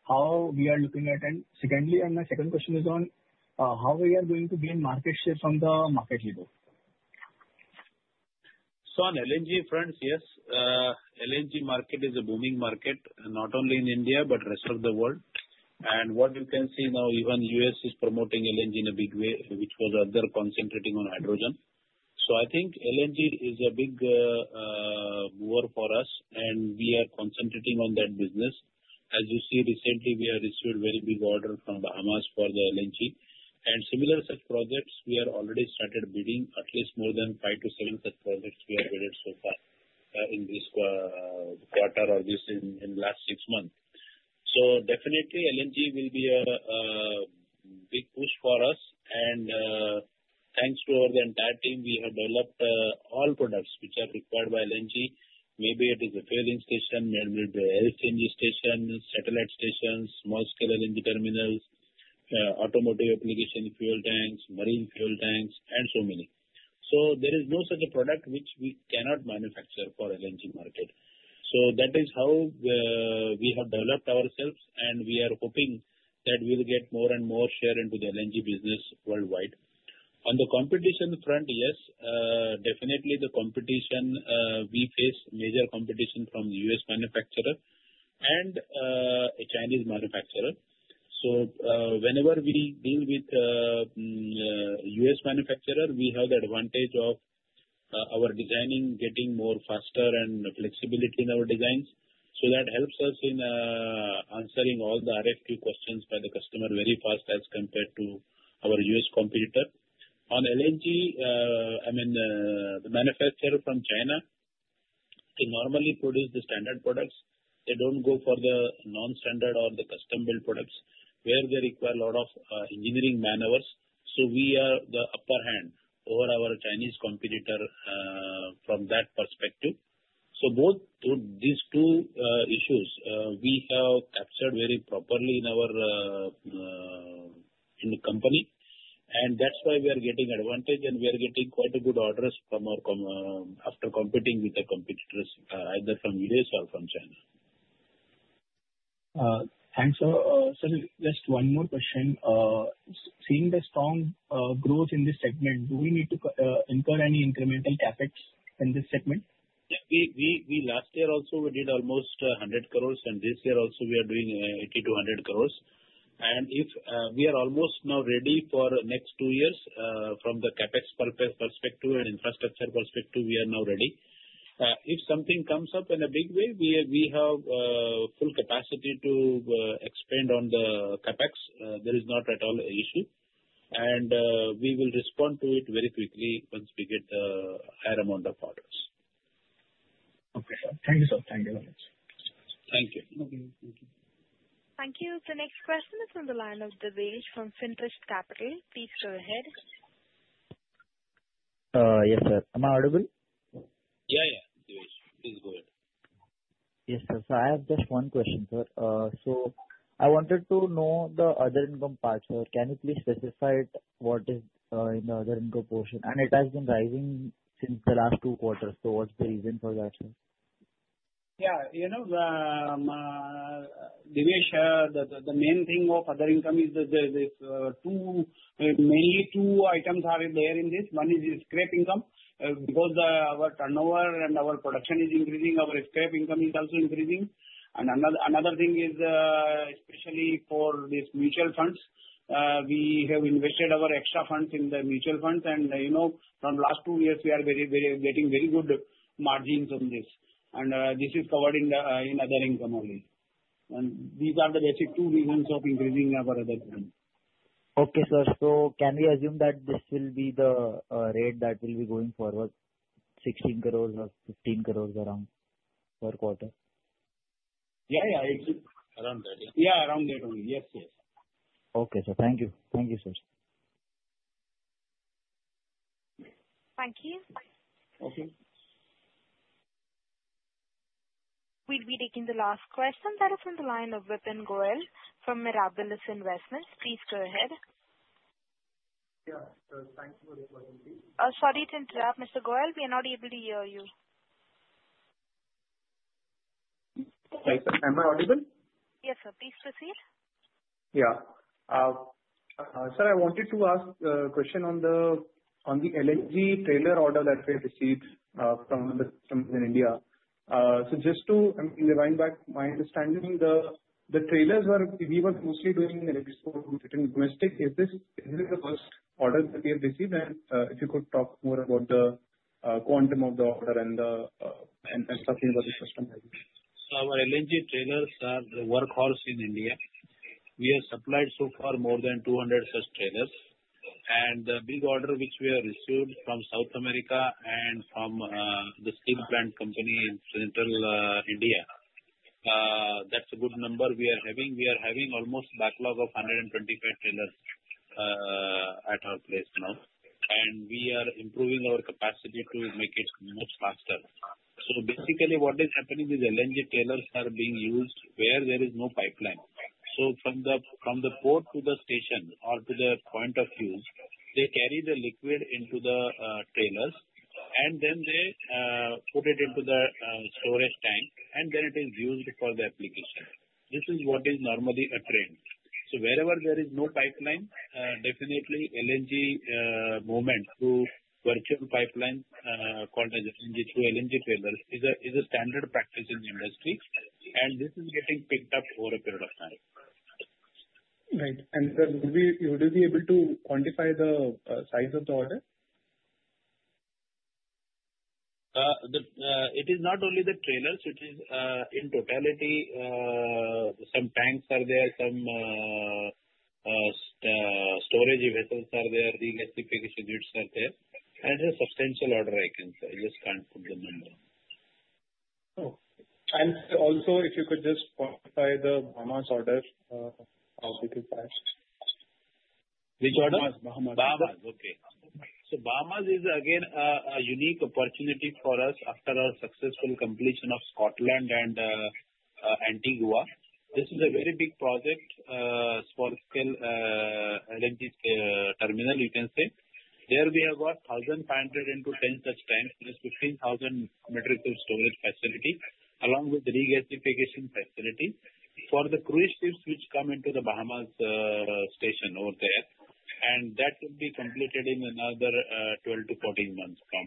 how we are looking at it? And secondly, my second question is on how we are going to gain market share from the market leader. So on LNG front, yes, LNG market is a booming market, not only in India but the rest of the world. And what you can see now, even the U.S. is promoting LNG in a big way, which was otherwise concentrating on hydrogen. So I think LNG is a big mover for us. And we are concentrating on that business. As you see, recently, we have received a very big order from the Bahamas for the LNG. Similar such projects, we have already started bidding. At least more than five to seven such projects we have bid so far in this quarter or in the last six months. So definitely, LNG will be a big push for us. And thanks to the entire team, we have developed all products which are required by LNG. Maybe it is a fueling station, marine fuel station, satellite stations, small-scale LNG terminals, automotive application fuel tanks, marine fuel tanks, and so many. So there is no such a product which we cannot manufacture for the LNG market. So that is how we have developed ourselves. And we are hoping that we will get more and more share into the LNG business worldwide. On the competition front, yes, definitely the competition, we face major competition from the US manufacturer and a Chinese manufacturer. So whenever we deal with a U.S. manufacturer, we have the advantage of our designing getting more faster and flexibility in our designs. So that helps us in answering all the RFQ questions by the customer very fast as compared to our U.S. competitor. On LNG, I mean, the manufacturer from China can normally produce the standard products. They don't go for the non-standard or the custom-built products where they require a lot of engineering man-hours. So we are the upper hand over our Chinese competitor from that perspective. So both these two issues, we have captured very properly in our company. And that's why we are getting advantage. And we are getting quite good orders after competing with the competitors, either from U.S. or from China. Thanks. So just one more question. Seeing the strong growth in this segment, do we need to incur any incremental CapEx in this segment? Yeah. Last year also, we did almost 100 crores. And this year also, we are doing 80-100 crores. And we are almost now ready for the next two years from the CapEx perspective and infrastructure perspective. We are now ready. If something comes up in a big way, we have full capacity to expand on the CapEx. There is not at all an issue. And we will respond to it very quickly once we get the higher amount of orders. Okay. Thank you, sir. Thank you very much. Thank you. Thank you. The next question is from the line of Dev from Fintrust Capital. Please go ahead. Yes, sir. Am I audible? Yeah, yeah. Dev, please go ahead. Yes, sir. So I have just one question, sir. So I wanted to know the other income part, sir. Can you please specify what is in the other income portion? And it has been rising since the last two quarters. So what's the reason for that, sir? Yeah. Dev, the main thing of other income is there is mainly two items are there in this. One is the scrap income because our turnover and our production is increasing. Our scrap income is also increasing. And another thing is, especially for these mutual funds, we have invested our extra funds in the mutual funds. And from the last two years, we are getting very good margins on this. And this is covered in other income only. And these are the basic two reasons of increasing our other income. Okay, sir. So can we assume that this will be the rate that will be going forward, 16 crores or 15 crores around per quarter? Yeah, yeah. Around that. Yeah, around that only. Yes, yes. Okay, sir. Thank you. Thank you, sir. Thank you. Okay. We'll be taking the last question. That is from the line of Vipin Goyal from Mirabilis Investment Trust. Please go ahead. Yeah. So thank you for the opportunity. Sorry to interrupt, Mr. Goyal. We are not able to hear you. Am I audible? Yes, sir. Please proceed. Yeah. Sir, I wanted to ask a question on the LNG trailer order that we have received from the customers in India. So just to rewind back, my understanding, the trailers were we were mostly doing export. It in domestic. Is this the first order that we have received? And if you could talk more about the quantum of the order and talking about the customization? So our LNG trailers are the workhorse in India. We have supplied so far more than 200 such trailers. And the big order which we have received from South America and from the steel plant company in Central India, that's a good number we are having. We are having almost backlog of 125 trailers at our place now. And we are improving our capacity to make it much faster. So basically, what is happening is LNG trailers are being used where there is no pipeline. So from the port to the station or to the point of use, they carry the liquid into the trailers, and then they put it into the storage tank, and then it is used for the application. This is what is normally a trend. So wherever there is no pipeline, definitely LNG movement through virtual pipelines called LNG through LNG trailers is a standard practice in the industry. And this is getting picked up over a period of time. Right. And sir, would you be able to quantify the size of the order? It is not only the trailers. It is in totality. Some tanks are there. Some storage vessels are there. The regasification units are there. And it's a substantial order, I can say. I just can't put the number. And also, if you could just quantify the Bahamas order, how big is that? Which order? Bahamas. Bahamas. Okay. So Bahamas is, again, a unique opportunity for us after our successful completion of Scotland and Antigua. This is a very big project for LNG terminal, you can say. There we have got 1,500 into 10 such tanks, plus 15,000 metric tons storage facility along with regasification facility for the cruise ships which come into the Bahamas station over there. And that will be completed in another 12 to 14 months from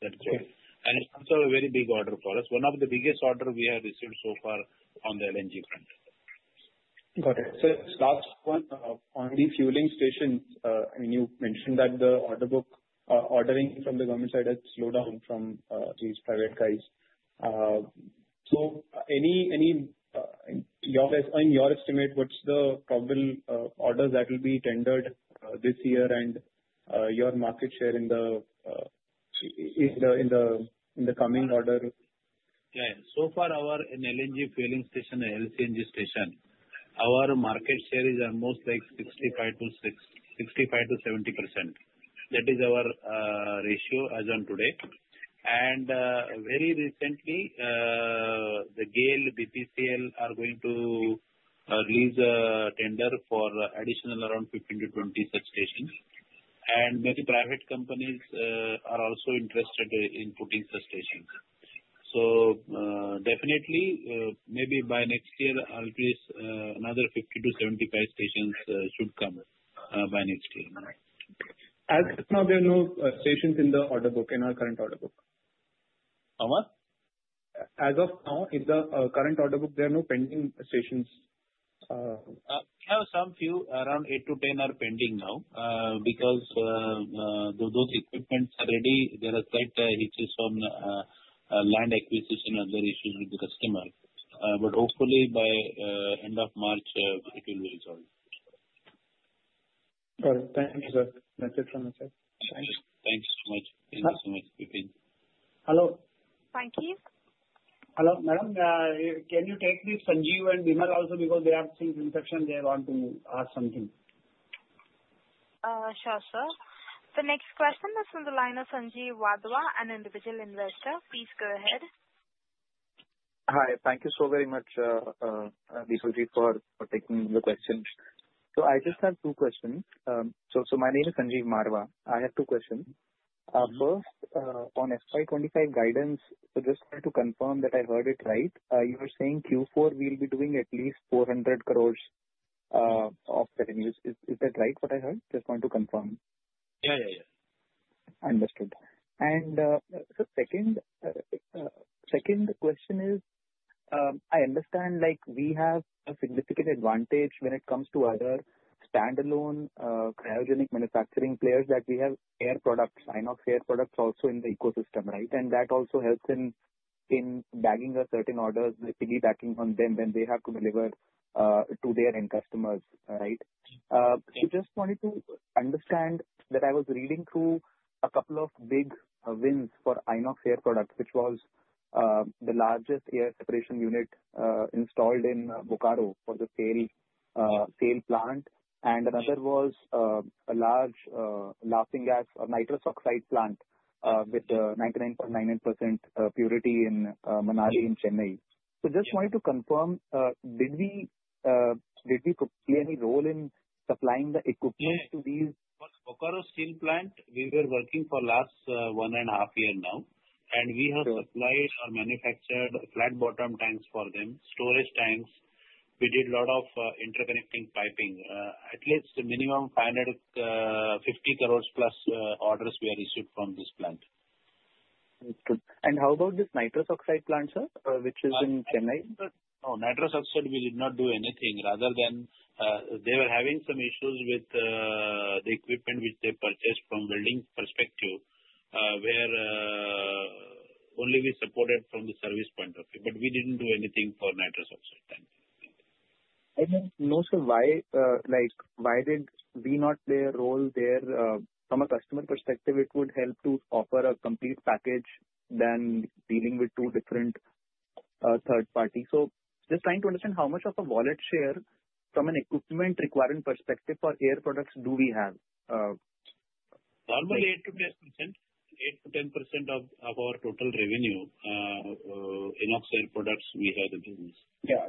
that quarter. And it's also a very big order for us. One of the biggest orders we have received so far on the LNG front. Got it. So last one, on the fueling stations, I mean, you mentioned that the order book ordering from the government side has slowed down from these private guys. So in your estimate, what's the probable orders that will be tendered this year and your market share in the coming order? Yeah. So far, our LNG fueling station, the LCNG station, our market share is almost like 65%-70%. That is our ratio as of today. Very recently, the GAIL, BPCL are going to release a tender for additional around 15-20 such stations. Many private companies are also interested in putting such stations. Definitely, maybe by next year, at least another 50-75 stations should come by next year. As of now, there are no stations in the order book in our current order book. How much? As of now, in the current order book, there are no pending stations. We have some few, around 8-10 are pending now because those equipments are ready. There are slight issues from land acquisition and other issues with the customer. Hopefully, by end of March, it will be resolved. Got it. Thank you, sir. That's it from my side. Thank you. Thank you so much. Hello. Thank you. Hello. Madam, can you take this Sanjeev and Bimal also because they have some instructions they want to ask something? Sure, sir. The next question is from the line of Sanjeev Madhwa, an individual investor. Please go ahead. Hi. Thank you so very much, Dev, for taking the questions. So I just have two questions. So my name is Sanjeev Wadhwa. I have two questions. First, on FY25 guidance, so just wanted to confirm that I heard it right. You were saying Q4, we'll be doing at least 400 crores of revenues. Is that right, what I heard? Just wanted to confirm. Yeah, yeah, yeah. Understood. And so second question is, I understand we have a significant advantage when it comes to other standalone cryogenic manufacturing players that we have Air Products, INOX Air Products also in the ecosystem, right? And that also helps in bagging a certain order, the piggybacking on them when they have to deliver to their end customers, right? So just wanted to understand that. I was reading through a couple of big wins for INOX Air Products, which was the largest air separation unit installed in Bokaro for the SAIL plant. And another was a large laughing gas or nitrous oxide plant with 99.99% purity in Manali in Chennai. So just wanted to confirm, did we play any role in supplying the equipment to these? But Bokaro Steel lant, we were working for the last one and a half years now. And we have supplied or manufactured flat bottom tanks for them, storage tanks. We did a lot of interconnecting piping. At least minimum 550 crores plus orders we are issued from this plant. And how about this nitrous oxide plant, sir, which is in Chennai? No, nitrous oxide, we did not do anything other than they were having some issues with the equipment which they purchased from building perspective where only we supported from the service point of view. But we didn't do anything for nitrous oxide tank. I mean, no, sir, why did we not play a role there? From a customer perspective, it would help to offer a complete package than dealing with two different third parties. So just trying to understand how much of a wallet share from an equipment requirement perspective for Air Products do we have? Normally, 8% to 10% of our total revenue, INOX Air Products, we have in business. Yeah.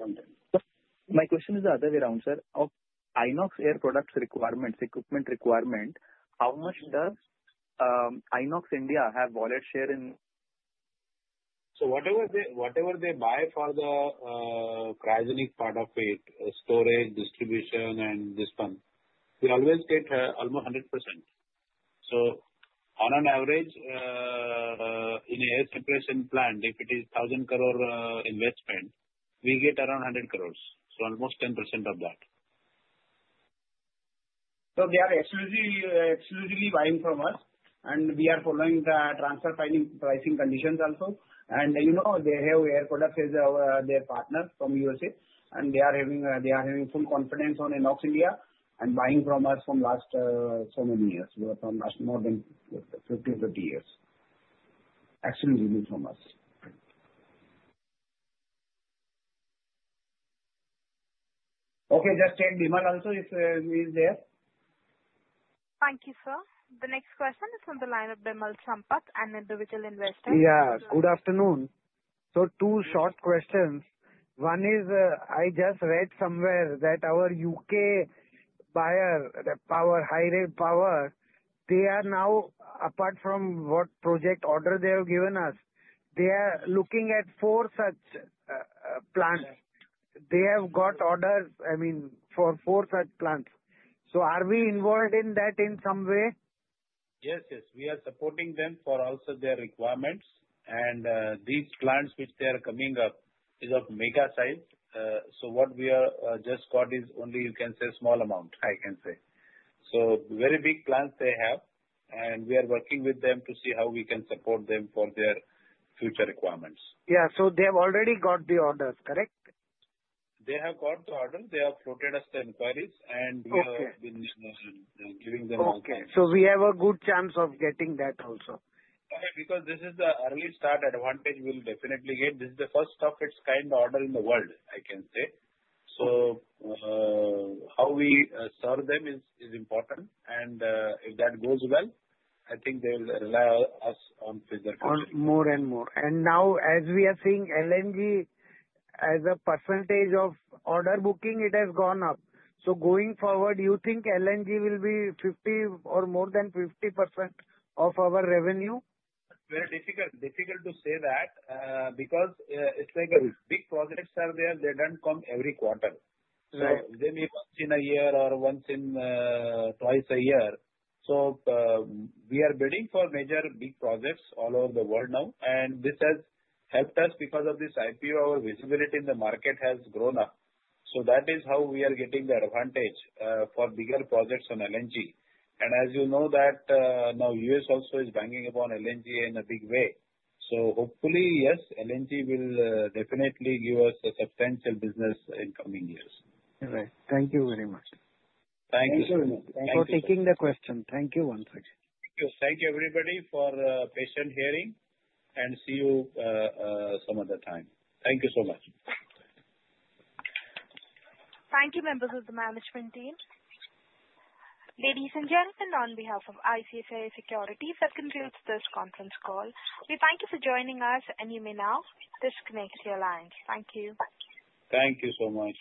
My question is the other way around, sir. Of INOX Air Products requirements, equipment requirement, how much does INOX India have wallet share in? So whatever they buy for the cryogenic part of it, storage, distribution, and this one, we always get almost 100%. So on an average, in an air separation plant, if it is 1,000 crore investment, we get around 100 crores. So almost 10% of that. So they are exclusively buying from us. And we are following the transfer pricing conditions also. And they have Air Products as their partner from USA. And they are having full confidence on INOX India and buying from us from last so many years. We were from more than 15, 30 years. Exclusively from us. Okay. Just check Bimal also if he is there. Thank you, sir. The next question is from the line of Bimal Sampat, an individual investor. Yeah. Good afternoon. So two short questions. One is, I just read somewhere that our U.K. buyer, Highview Power, they are now, apart from what project order they have given us, they are looking at four such plants. They have got orders, I mean, for four such plants. So are we involved in that in some way? Yes, yes. We are supporting them for also their requirements. And these plants which they are coming up is of mega size. So what we have just got is only, you can say, small amount, I can say. So very big plants they have. And we are working with them to see how we can support them for their future requirements. Yeah. So they have already got the orders, correct? They have got the orders. They have floated us the inquiries. And we have been giving them all the orders. Okay. So we have a good chance of getting that also. Because this is the early start advantage we'll definitely get. This is the first of its kind order in the world, I can say. So how we serve them is important. And if that goes well, I think they will rely on us on further contracts. More and more. And now, as we are seeing LNG as a percentage of order booking, it has gone up. So going forward, you think LNG will be 50 or more than 50% of our revenue? Very difficult. Difficult to say that because it's like a big projects are there. They don't come every quarter. So they may come in a year or once in twice a year. So we are bidding for major big projects all over the world now. And this has helped us because of this IPO, our visibility in the market has grown up. So that is how we are getting the advantage for bigger projects on LNG. And as you know, now U.S. also is banking upon LNG in a big way. So hopefully, yes, LNG will definitely give us a substantial business in coming years. Right. Thank you very much. Thank you so much for taking the question. Thank you once again. Thank you. Thank you, everybody, for patient hearing. And see you some other time. Thank you so much. Thank you, members of the management team. Ladies and gentlemen, on behalf of ICICI Securities, that concludes this conference call. We thank you for joining us, and you may now disconnect your lines. Thank you. Thank you so much.